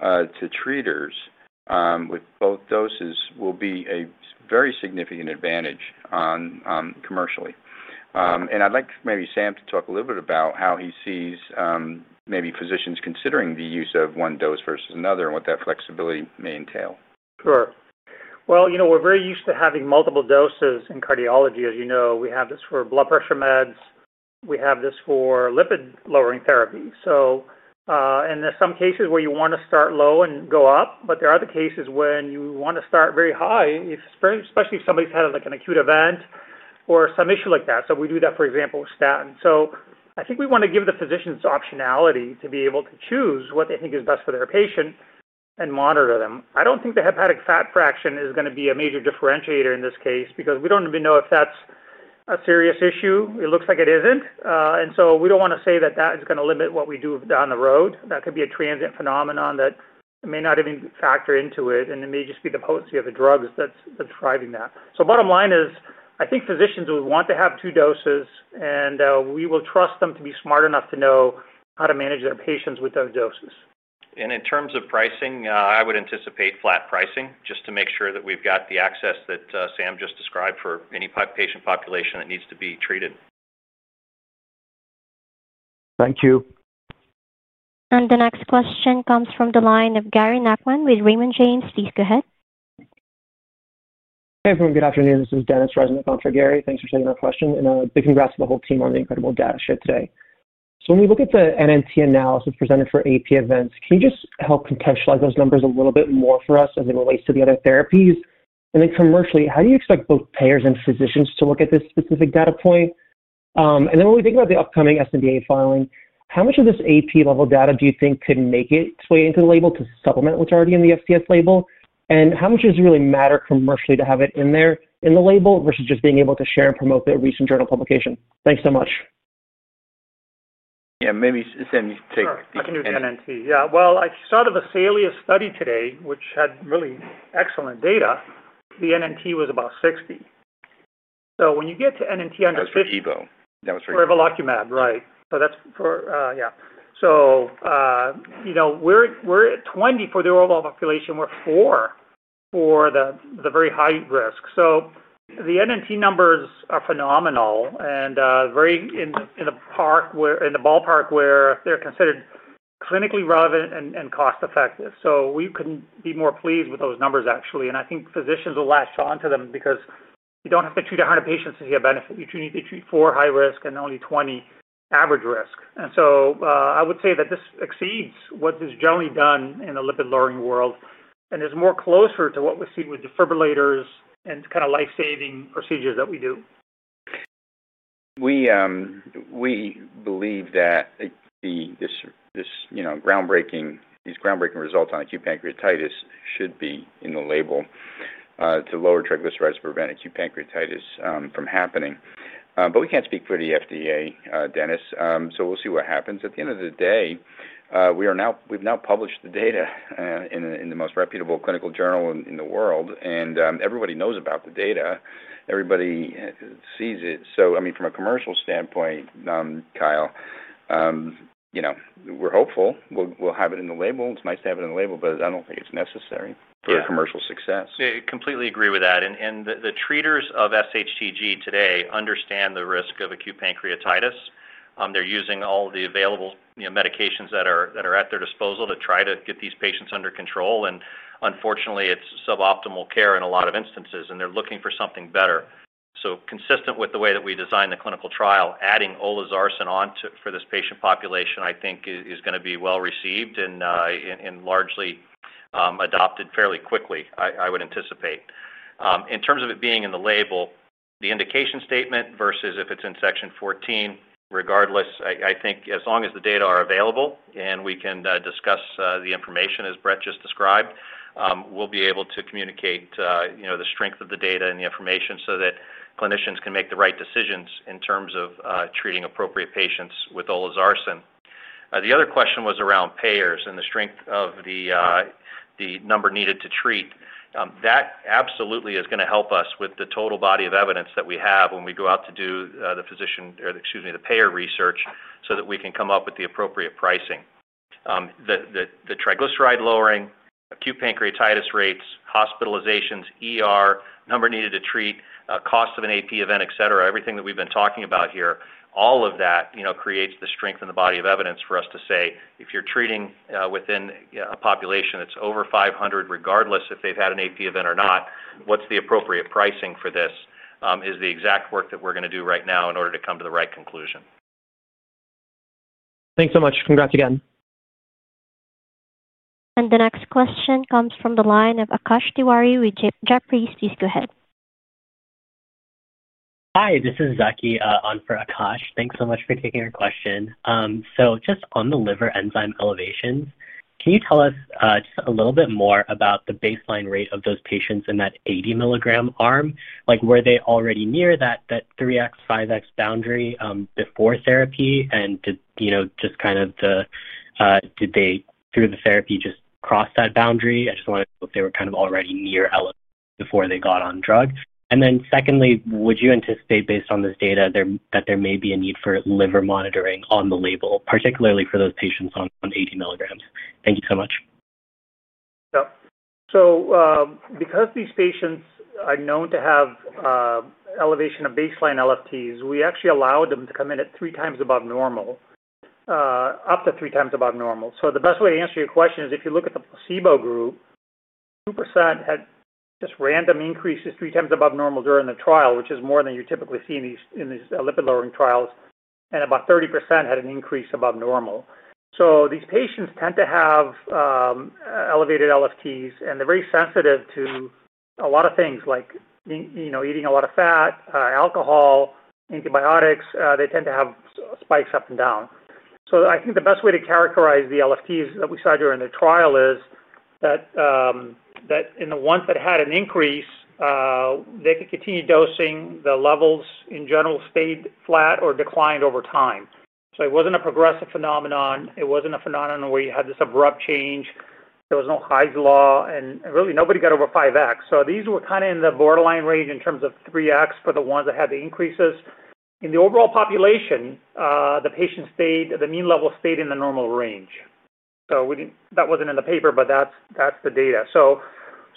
to treaters with both doses will be a very significant advantage commercially. I'd like maybe Sam to talk a little bit about how he sees maybe physicians considering the use of one dose versus another and what that flexibility may entail. Sure. We're very used to having multiple doses in cardiology. As you know, we have this for blood pressure meds. We have this for lipid-lowering therapy. There are some cases where you want to start low and go up, but there are other cases when you want to start very high, especially if somebody's had an acute event or some issue like that. We do that, for example, with statin. I think we want to give the physicians optionality to be able to choose what they think is best for their patient and monitor them. I do not think the hepatic fat fraction is going to be a major differentiator in this case because we do not even know if that is a serious issue. It looks like it is not. We do not want to say that that is going to limit what we do down the road. That could be a transient phenomenon that may not even factor into it, and it may just be the potency of the drugs that is driving that. Bottom line is, I think physicians will want to have two doses, and we will trust them to be smart enough to know how to manage their patients with those doses. In terms of pricing, I would anticipate flat pricing just to make sure that we have the access that Sam just described for any patient population that needs to be treated. Thank you. The next question comes from the line of Gary Nachman with Raymond James. Please go ahead. Hey, everyone. Good afternoon. This is Dennis Resnick on for Gary. Thanks for taking our question. Big congrats to the whole team on the incredible data shared today. When we look at the NNT analysis presented for AP events, can you just help contextualize those numbers a little bit more for us as it relates to the other therapies? Commercially, how do you expect both payers and physicians to look at this specific data point? When we think about the upcoming sNDA filing, how much of this acute pancreatitis-level data do you think could make its way into the label to supplement what is already in the FCS label? How much does it really matter commercially to have it in there in the label versus just being able to share and promote the recent journal publication? Thanks so much. Maybe Sam, you can take the— I can do the NNT. I saw the Vesalius study today, which had really excellent data. The NNT was about 60. When you get to NNT under 50, that is for Ebo. That was for Ebo. For Evolocumab, right? That is for— yeah. We are at 20 for the overall population. We are 4 for the very high risk. The NNT numbers are phenomenal and in the ballpark where they're considered clinically relevant and cost-effective. We couldn't be more pleased with those numbers, actually. I think physicians will latch on to them because you don't have to treat 100 patients to see a benefit. You need to treat four high-risk and only 20 average risk. I would say that this exceeds what is generally done in the lipid-lowering world and is more closer to what we see with defibrillators and kind of life-saving procedures that we do. We believe that these groundbreaking results on acute pancreatitis should be in the label to lower triglycerides to prevent acute pancreatitis from happening. We can't speak for the FDA, Dennis. We'll see what happens. At the end of the day, we've now published the data in the most reputable clinical journal in the world, and everybody knows about the data. Everybody sees it. I mean, from a commercial standpoint, Kyle, we're hopeful. We'll have it in the label. It's nice to have it in the label, but I don't think it's necessary for commercial success. Completely agree with that. The treaters of SHTG today understand the risk of acute pancreatitis. They're using all the available medications that are at their disposal to try to get these patients under control. Unfortunately, it's suboptimal care in a lot of instances, and they're looking for something better. Consistent with the way that we designed the clinical trial, adding Olizarsan on for this patient population, I think, is going to be well received and largely adopted fairly quickly, I would anticipate. In terms of it being in the label, the indication statement versus if it's in section 14, regardless, I think as long as the data are available and we can discuss the information, as Brett just described, we'll be able to communicate the strength of the data and the information so that clinicians can make the right decisions in terms of treating appropriate patients with Olizarsan. The other question was around payers and the strength of the number needed to treat. That absolutely is going to help us with the total body of evidence that we have when we go out to do the physician or, excuse me, the payer research so that we can come up with the appropriate pricing. The triglyceride-lowering, acute pancreatitis rates, hospitalizations, number needed to treat, cost of an AP event, etc., everything that we've been talking about here, all of that creates the strength in the body of evidence for us to say, "If you're treating within a population that's over 500, regardless if they've had an AP event or not, what's the appropriate pricing for this?" is the exact work that we're going to do right now in order to come to the right conclusion. Thanks so much. Congrats again. The next question comes from the line of Akash Diwari with JetPreet. Please go ahead. Hi. This is Zaki on for Akash. Thanks so much for taking our question. Just on the liver enzyme elevations, can you tell us just a little bit more about the baseline rate of those patients in that 80 milligram arm? Were they already near that 3x, 5x boundary before therapy? And just kind of did they, through the therapy, just cross that boundary? I just want to know if they were kind of already near before they got on drug. And then secondly, would you anticipate, based on this data, that there may be a need for liver monitoring on the label, particularly for those patients on 80 milligrams? Thank you so much. Yep. Because these patients are known to have elevation of baseline LFTs, we actually allowed them to come in at three times above normal, up to three times above normal. The best way to answer your question is if you look at the placebo group, 2% had just random increases three times above normal during the trial, which is more than you typically see in these lipid-lowering trials, and about 30% had an increase above normal. These patients tend to have elevated LFTs, and they're very sensitive to a lot of things, like eating a lot of fat, alcohol, antibiotics. They tend to have spikes up and down. I think the best way to characterize the LFTs that we saw during the trial is that in the ones that had an increase, they could continue dosing. The levels in general stayed flat or declined over time. It was not a progressive phenomenon. It was not a phenomenon where you had this abrupt change. There was no HIGHS law. Really, nobody got over 5x. These were kind of in the borderline range in terms of 3x for the ones that had the increases. In the overall population, the mean level stayed in the normal range. That was not in the paper, but that is the data.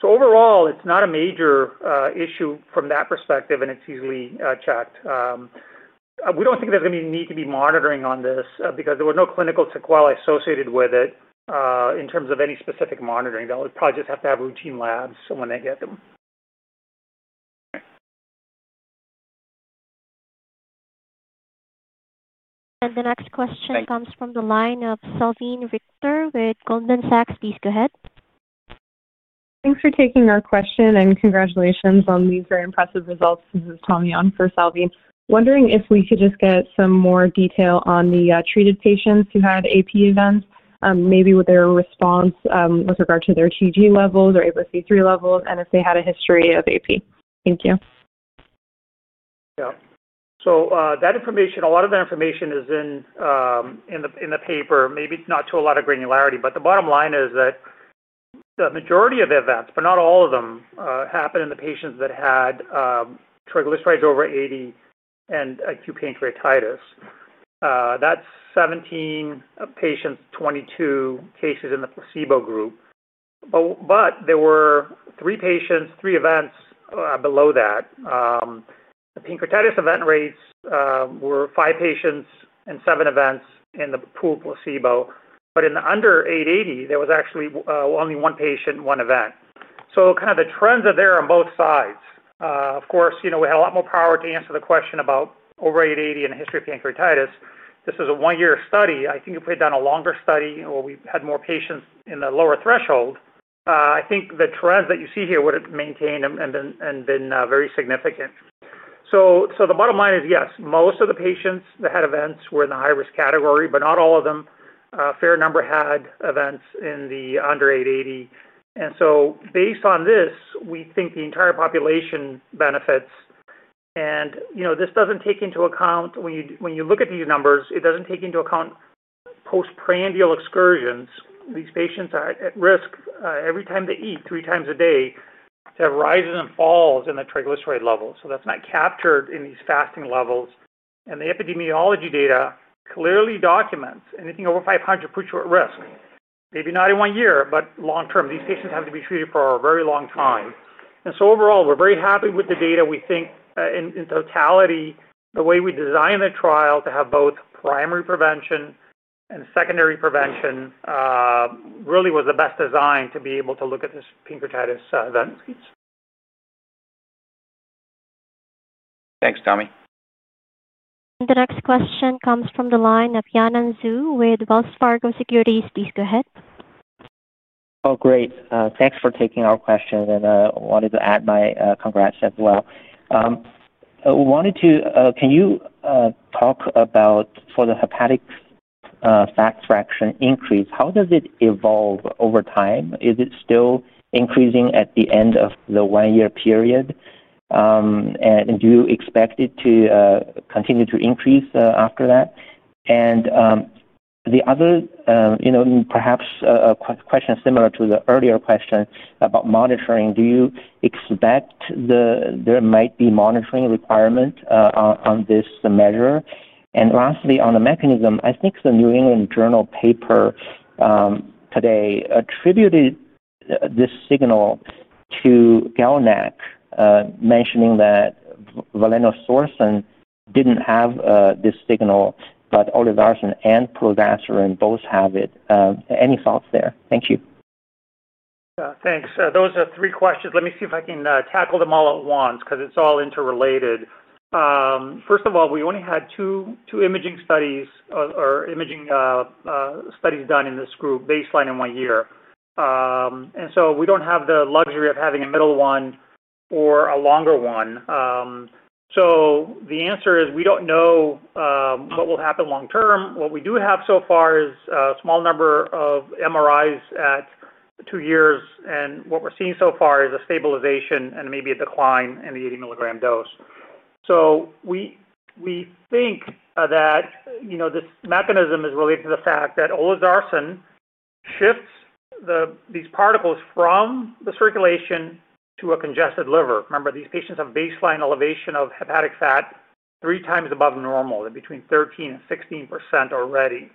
Overall, it is not a major issue from that perspective, and it is easily checked. We do not think there is going to be a need to be monitoring on this because there were no clinical sequelae associated with it in terms of any specific monitoring. They will probably just have to have routine labs when they get them. Okay. The next question comes from the line of Salveen Richter with Goldman Sachs. Please go ahead. Thanks for taking our question, and congratulations on these very impressive results. This is Tommy on for Salveen. Wondering if we could just get some more detail on the treated patients who had AP events, maybe with their response with regard to their TG levels or A1C3 levels, and if they had a history of AP. Thank you. Yeah. So a lot of the information is in the paper. Maybe it's not to a lot of granularity, but the bottom line is that the majority of events, but not all of them, happened in the patients that had triglycerides over 880 and acute pancreatitis. That's 17 patients, 22 cases in the placebo group. But there were three patients, three events below that. The pancreatitis event rates were five patients and seven events in the pooled placebo. But in the under 880, there was actually only one patient, one event. So kind of the trends are there on both sides. Of course, we had a lot more power to answer the question about over 880 and a history of pancreatitis. This is a one-year study. I think if we had done a longer study where we had more patients in the lower threshold, I think the trends that you see here would have maintained and been very significant. The bottom line is, yes, most of the patients that had events were in the high-risk category, but not all of them. A fair number had events in the under 880. Based on this, we think the entire population benefits. This does not take into account when you look at these numbers, it does not take into account postprandial excursions. These patients are at risk every time they eat three times a day to have rises and falls in the triglyceride levels. That is not captured in these fasting levels. The epidemiology data clearly documents anything over 500 puts you at risk. Maybe not in one year, but long-term, these patients have to be treated for a very long time. Overall, we're very happy with the data. We think in totality, the way we designed the trial to have both primary prevention and secondary prevention really was the best design to be able to look at this pancreatitis events. Thanks, Tommy. The next question comes from the line of Yan and Zhu with Wells Fargo Security. Please go ahead. Oh, great. Thanks for taking our question. I wanted to add my congrats as well. Can you talk about for the hepatic fat fraction increase, how does it evolve over time? Is it still increasing at the end of the one-year period? Do you expect it to continue to increase after that? The other, perhaps a question similar to the earlier question about monitoring, do you expect there might be monitoring requirements on this measure? Lastly, on the mechanism, I think the New England Journal paper today attributed this signal to Galnack, mentioning that valenosourcine did not have this signal, but Olizarsan and prazosin both have it. Any thoughts there? Thank you. Thanks. Those are three questions. Let me see if I can tackle them all at once because it is all interrelated. First of all, we only had two imaging studies or imaging studies done in this group, baseline and one year. We do not have the luxury of having a middle one or a longer one. The answer is we do not know what will happen long-term. What we do have so far is a small number of MRIs at two years. What we're seeing so far is a stabilization and maybe a decline in the 80-milligram dose. We think that this mechanism is related to the fact that olosarsan shifts these particles from the circulation to a congested liver. Remember, these patients have baseline elevation of hepatic fat three times above normal, between 13-16% already.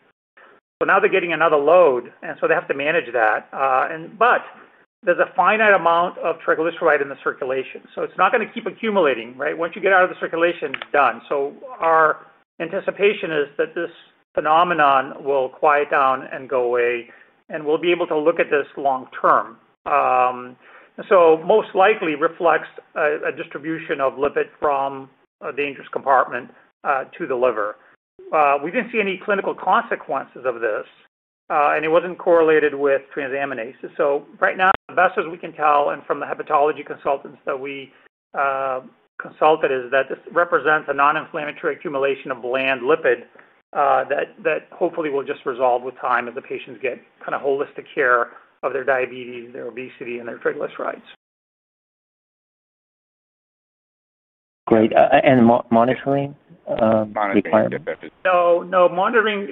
Now they're getting another load, and they have to manage that. There is a finite amount of triglyceride in the circulation. It is not going to keep accumulating, right? Once you get it out of the circulation, done. Our anticipation is that this phenomenon will quiet down and go away, and we'll be able to look at this long-term. Most likely, it reflects a distribution of lipid from a dangerous compartment to the liver. We did not see any clinical consequences of this, and it was not correlated with transaminases. Right now, the best as we can tell and from the hepatology consultants that we consulted is that this represents a non-inflammatory accumulation of bland lipid that hopefully will just resolve with time as the patients get kind of holistic care of their diabetes, their obesity, and their triglycerides. Great. And monitoring requirement? No, no. Monitoring,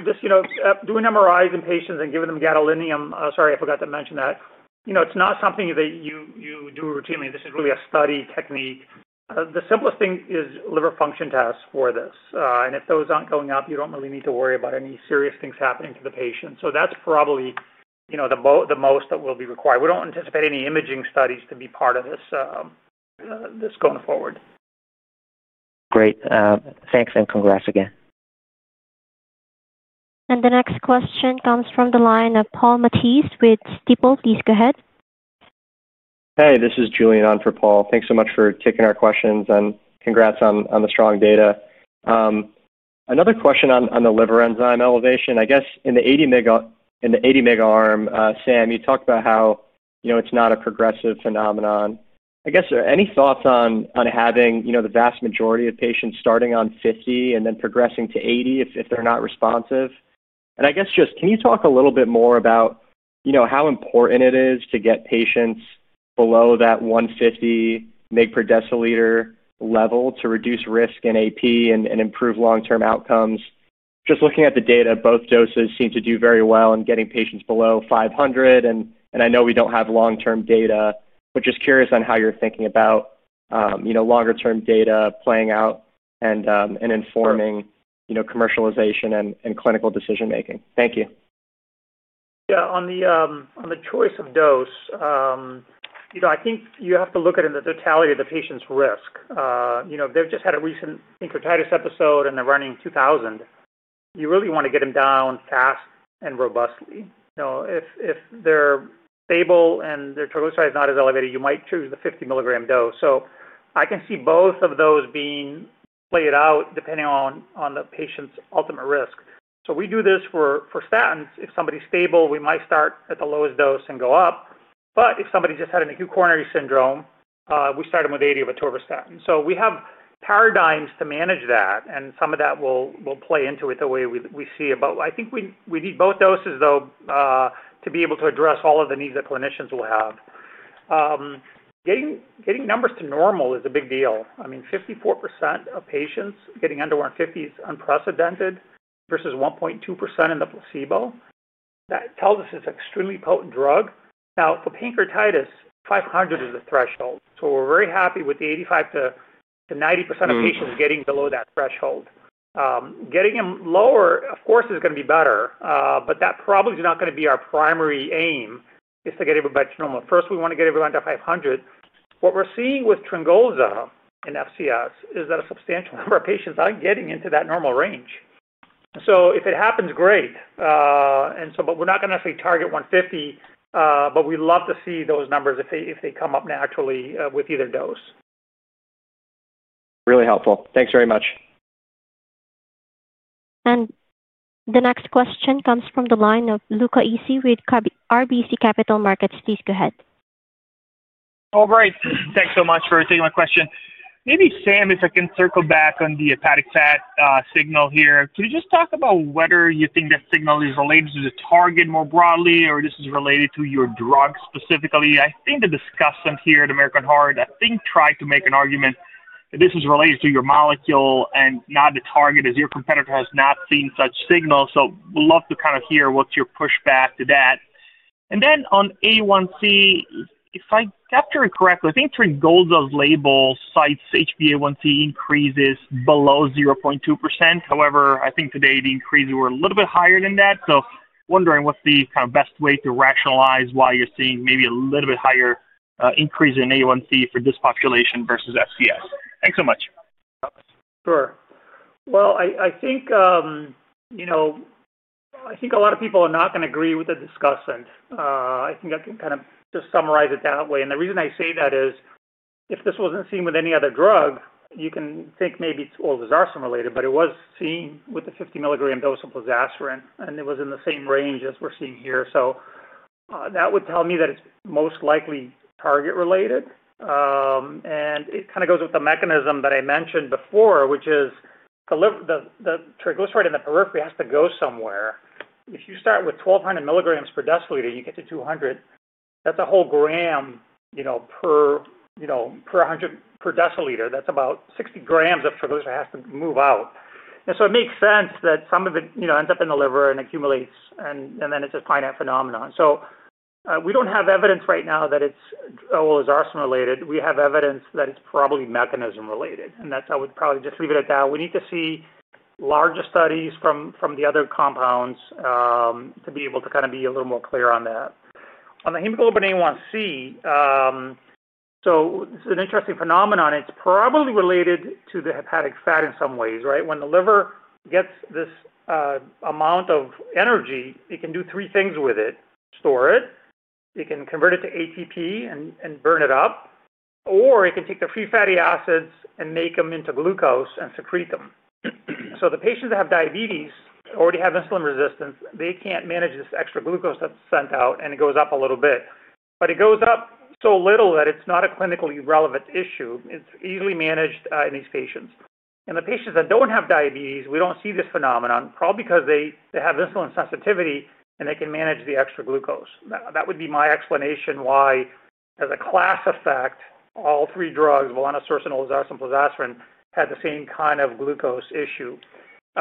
doing MRIs in patients and giving them gadolinium—sorry, I forgot to mention that. It's not something that you do routinely. This is really a study technique. The simplest thing is liver function tests for this. And if those aren't going up, you don't really need to worry about any serious things happening to the patient. That's probably the most that will be required. We don't anticipate any imaging studies to be part of this going forward. Great. Thanks and congrats again. The next question comes from the line of Paul Matisse with Steeple. Please go ahead. Hey, this is Julian on for Paul. Thanks so much for taking our questions and congrats on the strong data. Another question on the liver enzyme elevation. I guess in the 80 mg arm, Sam, you talked about how it's not a progressive phenomenon. I guess any thoughts on having the vast majority of patients starting on 50 and then progressing to 80 if they're not responsive? I guess just can you talk a little bit more about how important it is to get patients below that 150 mg per deciliter level to reduce risk in AP and improve long-term outcomes? Just looking at the data, both doses seem to do very well in getting patients below 500. I know we don't have long-term data, but just curious on how you're thinking about longer-term data playing out and informing commercialization and clinical decision-making. Thank you. Yeah. On the choice of dose, I think you have to look at it in the totality of the patient's risk. They've just had a recent pancreatitis episode, and they're running 2,000. You really want to get them down fast and robustly. If they're stable and their triglyceride is not as elevated, you might choose the 50 mg dose. I can see both of those being played out depending on the patient's ultimate risk. We do this for statins. If somebody's stable, we might start at the lowest dose and go up. If somebody just had an acute coronary syndrome, we start them with 80 of atorvastatin. We have paradigms to manage that, and some of that will play into it the way we see about. I think we need both doses, though, to be able to address all of the needs that clinicians will have. Getting numbers to normal is a big deal. I mean, 54% of patients getting under 150 is unprecedented versus 1.2% in the placebo. That tells us it's an extremely potent drug. Now, for pancreatitis, 500 is the threshold. We are very happy with the 85-90% of patients getting below that threshold. Getting them lower, of course, is going to be better, but that probably is not going to be our primary aim is to get everybody to normal. First, we want to get everyone to 500. What we're seeing with Tringulsa and FCS is that a substantial number of patients aren't getting into that normal range. If it happens, great. We are not going to actually target 150, but we'd love to see those numbers if they come up naturally with either dose. Really helpful. Thanks very much. The next question comes from the line of Luca Issi with RBC Capital Markets. Please go ahead. All right. Thanks so much for taking my question. Maybe Sam, if I can circle back on the hepatic fat signal here, could you just talk about whether you think that signal is related to the target more broadly, or this is related to your drug specifically? I think the discussant here at American Heart, I think, tried to make an argument that this is related to your molecule and not the target as your competitor has not seen such signals. We'd love to kind of hear what's your pushback to that. Then on A1C, if I captured it correctly, I think Tringulsa's label cites HbA1c increases below 0.2%. However, I think today the increases were a little bit higher than that. Wondering what's the kind of best way to rationalize why you're seeing maybe a little bit higher increase in A1C for this population versus FCS. Thanks so much. Sure. I think a lot of people are not going to agree with the discussant. I think I can kind of just summarize it that way. The reason I say that is if this was not seen with any other drug, you can think maybe it's olizarsan related, but it was seen with the 50 mg dose of prazosin, and it was in the same range as we're seeing here. That would tell me that it's most likely target-related. It kind of goes with the mechanism that I mentioned before, which is the triglyceride in the periphery has to go somewhere. If you start with 1,200 milligrams per deciliter, you get to 200. That is a whole gram per deciliter. That is about 60 grams of triglyceride has to move out. It makes sense that some of it ends up in the liver and accumulates, and then it is a finite phenomenon. We do not have evidence right now that it is olizarsan related. We have evidence that it is probably mechanism-related. I would probably just leave it at that. We need to see larger studies from the other compounds to be able to kind of be a little more clear on that. On the hemoglobin A1C, this is an interesting phenomenon. It is probably related to the hepatic fat in some ways, right? When the liver gets this amount of energy, it can do three things with it. Store it. It can convert it to ATP and burn it up. Or it can take the free fatty acids and make them into glucose and secrete them. The patients that have diabetes already have insulin resistance. They can't manage this extra glucose that's sent out, and it goes up a little bit. It goes up so little that it's not a clinically relevant issue. It's easily managed in these patients. The patients that don't have diabetes, we don't see this phenomenon probably because they have insulin sensitivity, and they can manage the extra glucose. That would be my explanation why, as a class effect, all three drugs, donidalorsen, olizarsan, prazosin, had the same kind of glucose issue.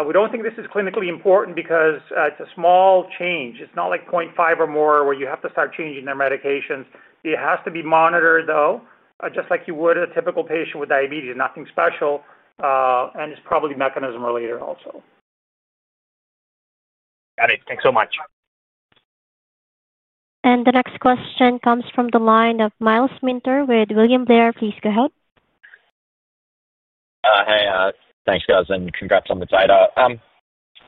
We don't think this is clinically important because it's a small change. It's not like 0.5 or more where you have to start changing their medications. It has to be monitored, though, just like you would a typical patient with diabetes. Nothing special. It's probably mechanism-related also. Got it. Thanks so much. The next question comes from the line of Miles Minter with William Blair. Please go ahead. Hey, thanks, guys. Congrats on the data.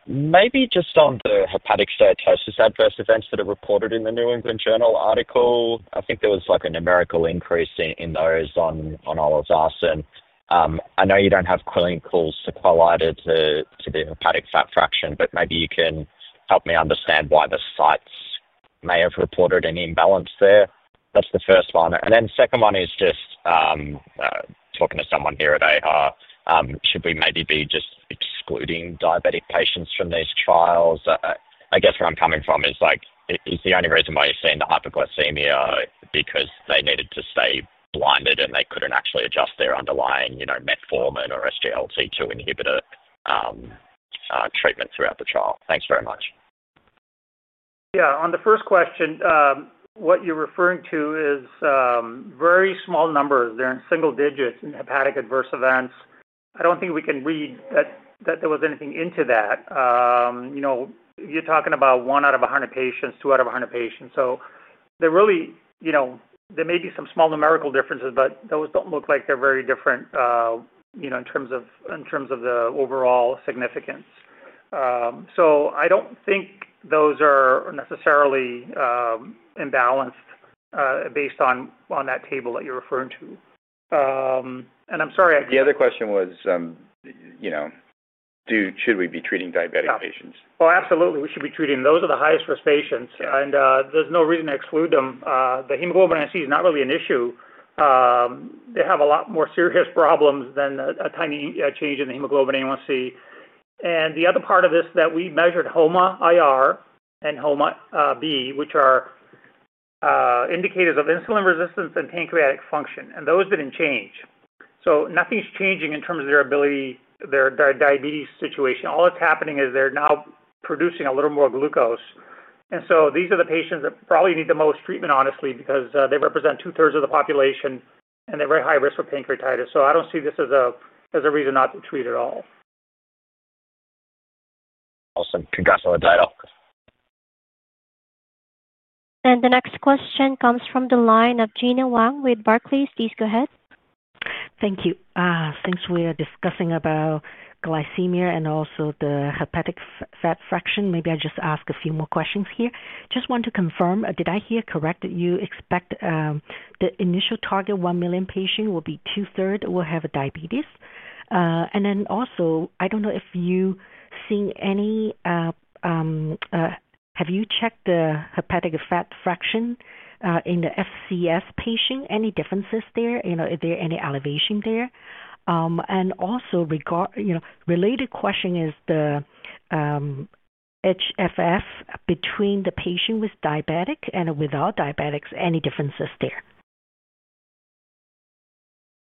Maybe just on the hepatic steatosis adverse events that are reported in the New England Journal article, I think there was a numerical increase in those on Olizarsan. I know you don't have clinicals to collide it to the hepatic fat fraction, but maybe you can help me understand why the sites may have reported an imbalance there. That's the first one. The second one is just talking to someone here at AHR. Should we maybe be just excluding diabetic patients from these trials? I guess where I'm coming from is the only reason why you're seeing the hyperglycemia is because they needed to stay blinded, and they couldn't actually adjust their underlying metformin or SGLT2 inhibitor treatment throughout the trial. Thanks very much. Yeah. On the first question, what you're referring to is very small numbers. They're in single digits in hepatic adverse events. I don't think we can read that there was anything into that. You're talking about 1 out of 100 patients, 2 out of 100 patients. There may be some small numerical differences, but those don't look like they're very different in terms of the overall significance. I don't think those are necessarily imbalanced based on that table that you're referring to. I'm sorry. The other question was, should we be treating diabetic patients? Oh, absolutely. We should be treating those who are the highest-risk patients. There's no reason to exclude them. The hemoglobin A1C is not really an issue. They have a lot more serious problems than a tiny change in the hemoglobin A1C. The other part of this is that we measured HOMA-IR and HOMA-B, which are indicators of insulin resistance and pancreatic function. Those did not change. Nothing is changing in terms of their diabetes situation. All that's happening is they're now producing a little more glucose. These are the patients that probably need the most treatment, honestly, because they represent two-thirds of the population, and they're very high risk for pancreatitis. I do not see this as a reason not to treat at all. Awesome. Congrats on the data. The next question comes from the line of Gina Wang with Barclays. Please go ahead. Thank you. Since we are discussing about glycemia and also the hepatic fat fraction, maybe I just ask a few more questions here. Just want to confirm, did I hear correct that you expect the initial target 1 million patients will be two-thirds will have diabetes? And then also, I don't know if you've seen any, have you checked the hepatic fat fraction in the FCS patient? Any differences there? Is there any elevation there? And also, related question is the HFF between the patient with diabetic and without diabetics, any differences there?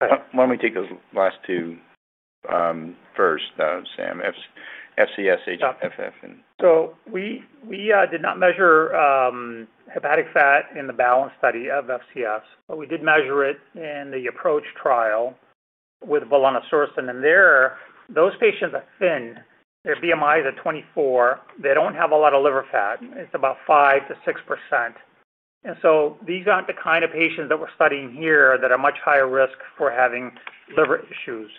Why don't we take those last two first, Sam? FCS, HFF, and. So we did not measure hepatic fat in the balance study of FCS, but we did measure it in the APPROACH trial with valenosourcine. And there, those patients are thin. Their BMI is at 24. They don't have a lot of liver fat. It's about 5%-6%. These aren't the kind of patients that we're studying here that are much higher risk for having liver issues.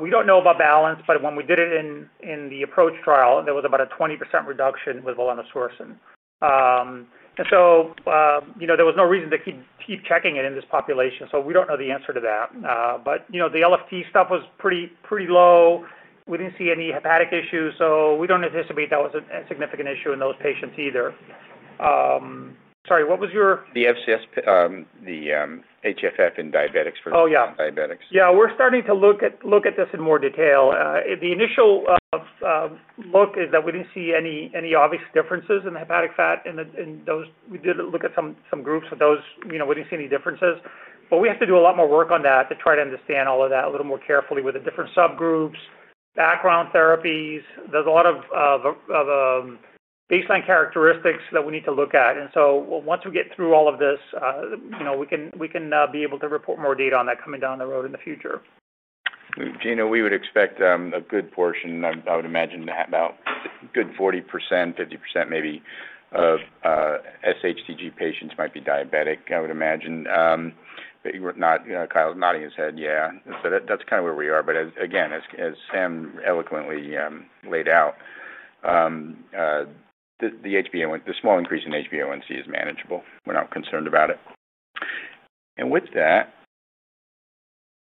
We don't know about balance, but when we did it in the APPROACH trial, there was about a 20% reduction with valenosourcine. There was no reason to keep checking it in this population. We don't know the answer to that. The LFT stuff was pretty low. We didn't see any hepatic issues. We don't anticipate that was a significant issue in those patients either. Sorry, what was your? The HFF in diabetics versus diabetics. Oh, yeah. Yeah. We're starting to look at this in more detail. The initial look is that we didn't see any obvious differences in the hepatic fat. We did look at some groups of those. We didn't see any differences. We have to do a lot more work on that to try to understand all of that a little more carefully with the different subgroups, background therapies. There are a lot of baseline characteristics that we need to look at. Once we get through all of this, we can be able to report more data on that coming down the road in the future. Gina, we would expect a good portion, I would imagine, about a good 40%-50% maybe of SHTG patients might be diabetic, I would imagine. Kyle's nodding his head. Yeah. That is kind of where we are. As Sam eloquently laid out, the small increase in HbA1C is manageable. We are not concerned about it. With that,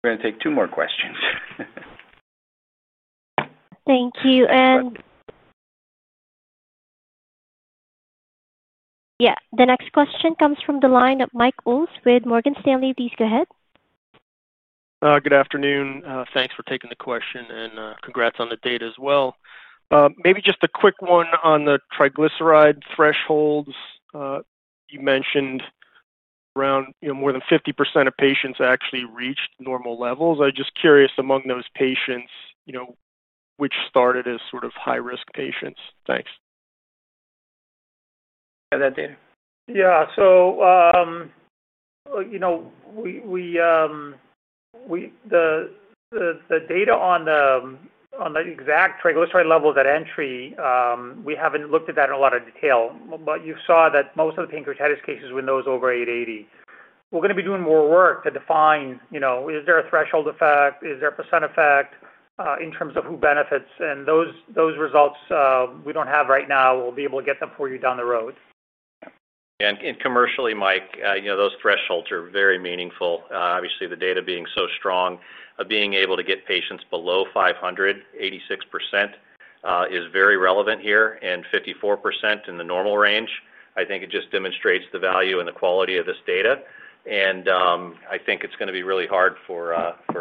we are going to take two more questions. Thank you. The next question comes from the line of Mike Ols with Morgan Stanley. Please go ahead. Good afternoon. Thanks for taking the question, and congrats on the data as well. Maybe just a quick one on the triglyceride thresholds. You mentioned around more than 50% of patients actually reached normal levels. I was just curious, among those patients, which started as sort of high-risk patients? Thanks. Yeah, that data. Yeah. So the data on the exact triglyceride levels at entry, we have not looked at that in a lot of detail. You saw that most of the pancreatitis cases were in those over 880. We are going to be doing more work to define, is there a threshold effect? Is there a percent effect in terms of who benefits? Those results we do not have right now. We will be able to get them for you down the road. Yeah. Commercially, Mike, those thresholds are very meaningful. Obviously, the data being so strong, being able to get patients below 500, 86%, is very relevant here, and 54% in the normal range. I think it just demonstrates the value and the quality of this data. I think it's going to be really hard for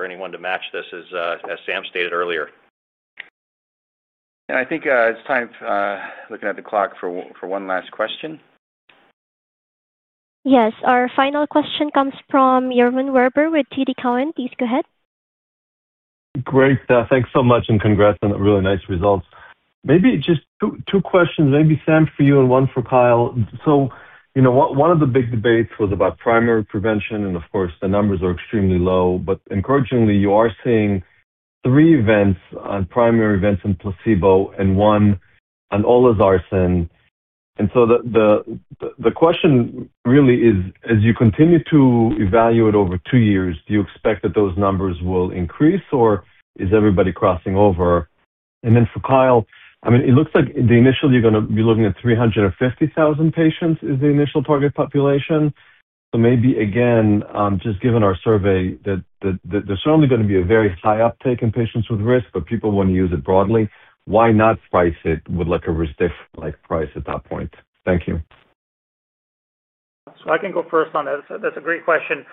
anyone to match this, as Sam stated earlier. I think it's time for looking at the clock for one last question. Yes. Our final question comes from Jeroen Werber with TD Cowen. Please go ahead. Great. Thanks so much, and congrats on the really nice results. Maybe just two questions, maybe Sam for you and one for Kyle. One of the big debates was about primary prevention, and of course, the numbers are extremely low. But encouragingly, you are seeing three events on primary events in placebo and one on olosarsan. The question really is, as you continue to evaluate over two years, do you expect that those numbers will increase, or is everybody crossing over? For Kyle, I mean, it looks like initially you're going to be looking at 350,000 patients as the initial target population. Maybe again, just given our survey, there's certainly going to be a very high uptake in patients with risk, but people want to use it broadly. Why not price it with a resistive price at that point? Thank you. I can go first on that. That's a great question.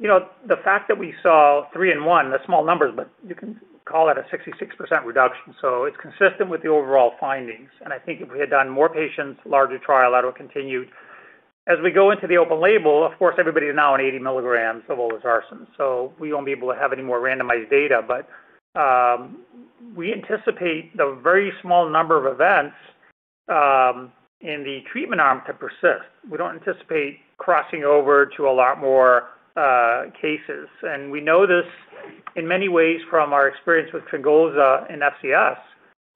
The fact that we saw three and one, they're small numbers, but you can call that a 66% reduction. It's consistent with the overall findings. I think if we had done more patients, larger trial, that would have continued. As we go into the open label, of course, everybody is now on 80 milligrams of olizarsan. We will not be able to have any more randomized data. We anticipate the very small number of events in the treatment arm to persist. We do not anticipate crossing over to a lot more cases. We know this in many ways from our experience with Tringulsa and FCS.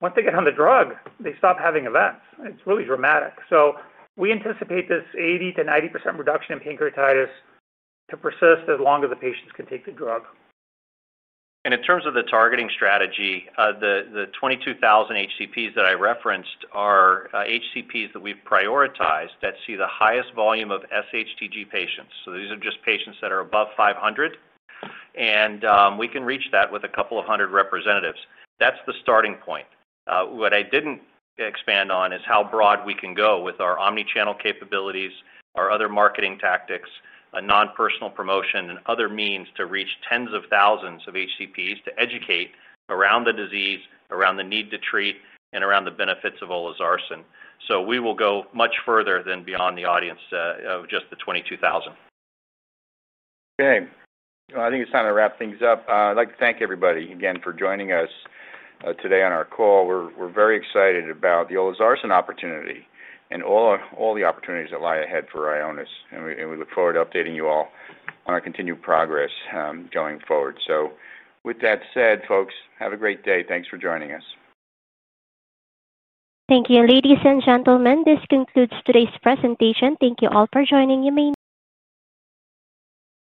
Once they get on the drug, they stop having events. It is really dramatic. We anticipate this 80-90% reduction in pancreatitis to persist as long as the patients can take the drug. In terms of the targeting strategy, the 22,000 HCPs that I referenced are HCPs that we have prioritized that see the highest volume of SHTG patients. These are just patients that are above 500. We can reach that with a couple of hundred representatives. That's the starting point. What I didn't expand on is how broad we can go with our omnichannel capabilities, our other marketing tactics, non-personal promotion, and other means to reach tens of thousands of HCPs to educate around the disease, around the need to treat, and around the benefits of Olizarsan. We will go much further than beyond the audience of just the 22,000. Okay. I think it's time to wrap things up. I'd like to thank everybody again for joining us today on our call. We're very excited about the Olizarsan opportunity and all the opportunities that lie ahead for Ionis. We look forward to updating you all on our continued progress going forward. With that said, folks, have a great day. Thanks for joining us. Thank you. Ladies and gentlemen, this concludes today's presentation. Thank you all for joining me.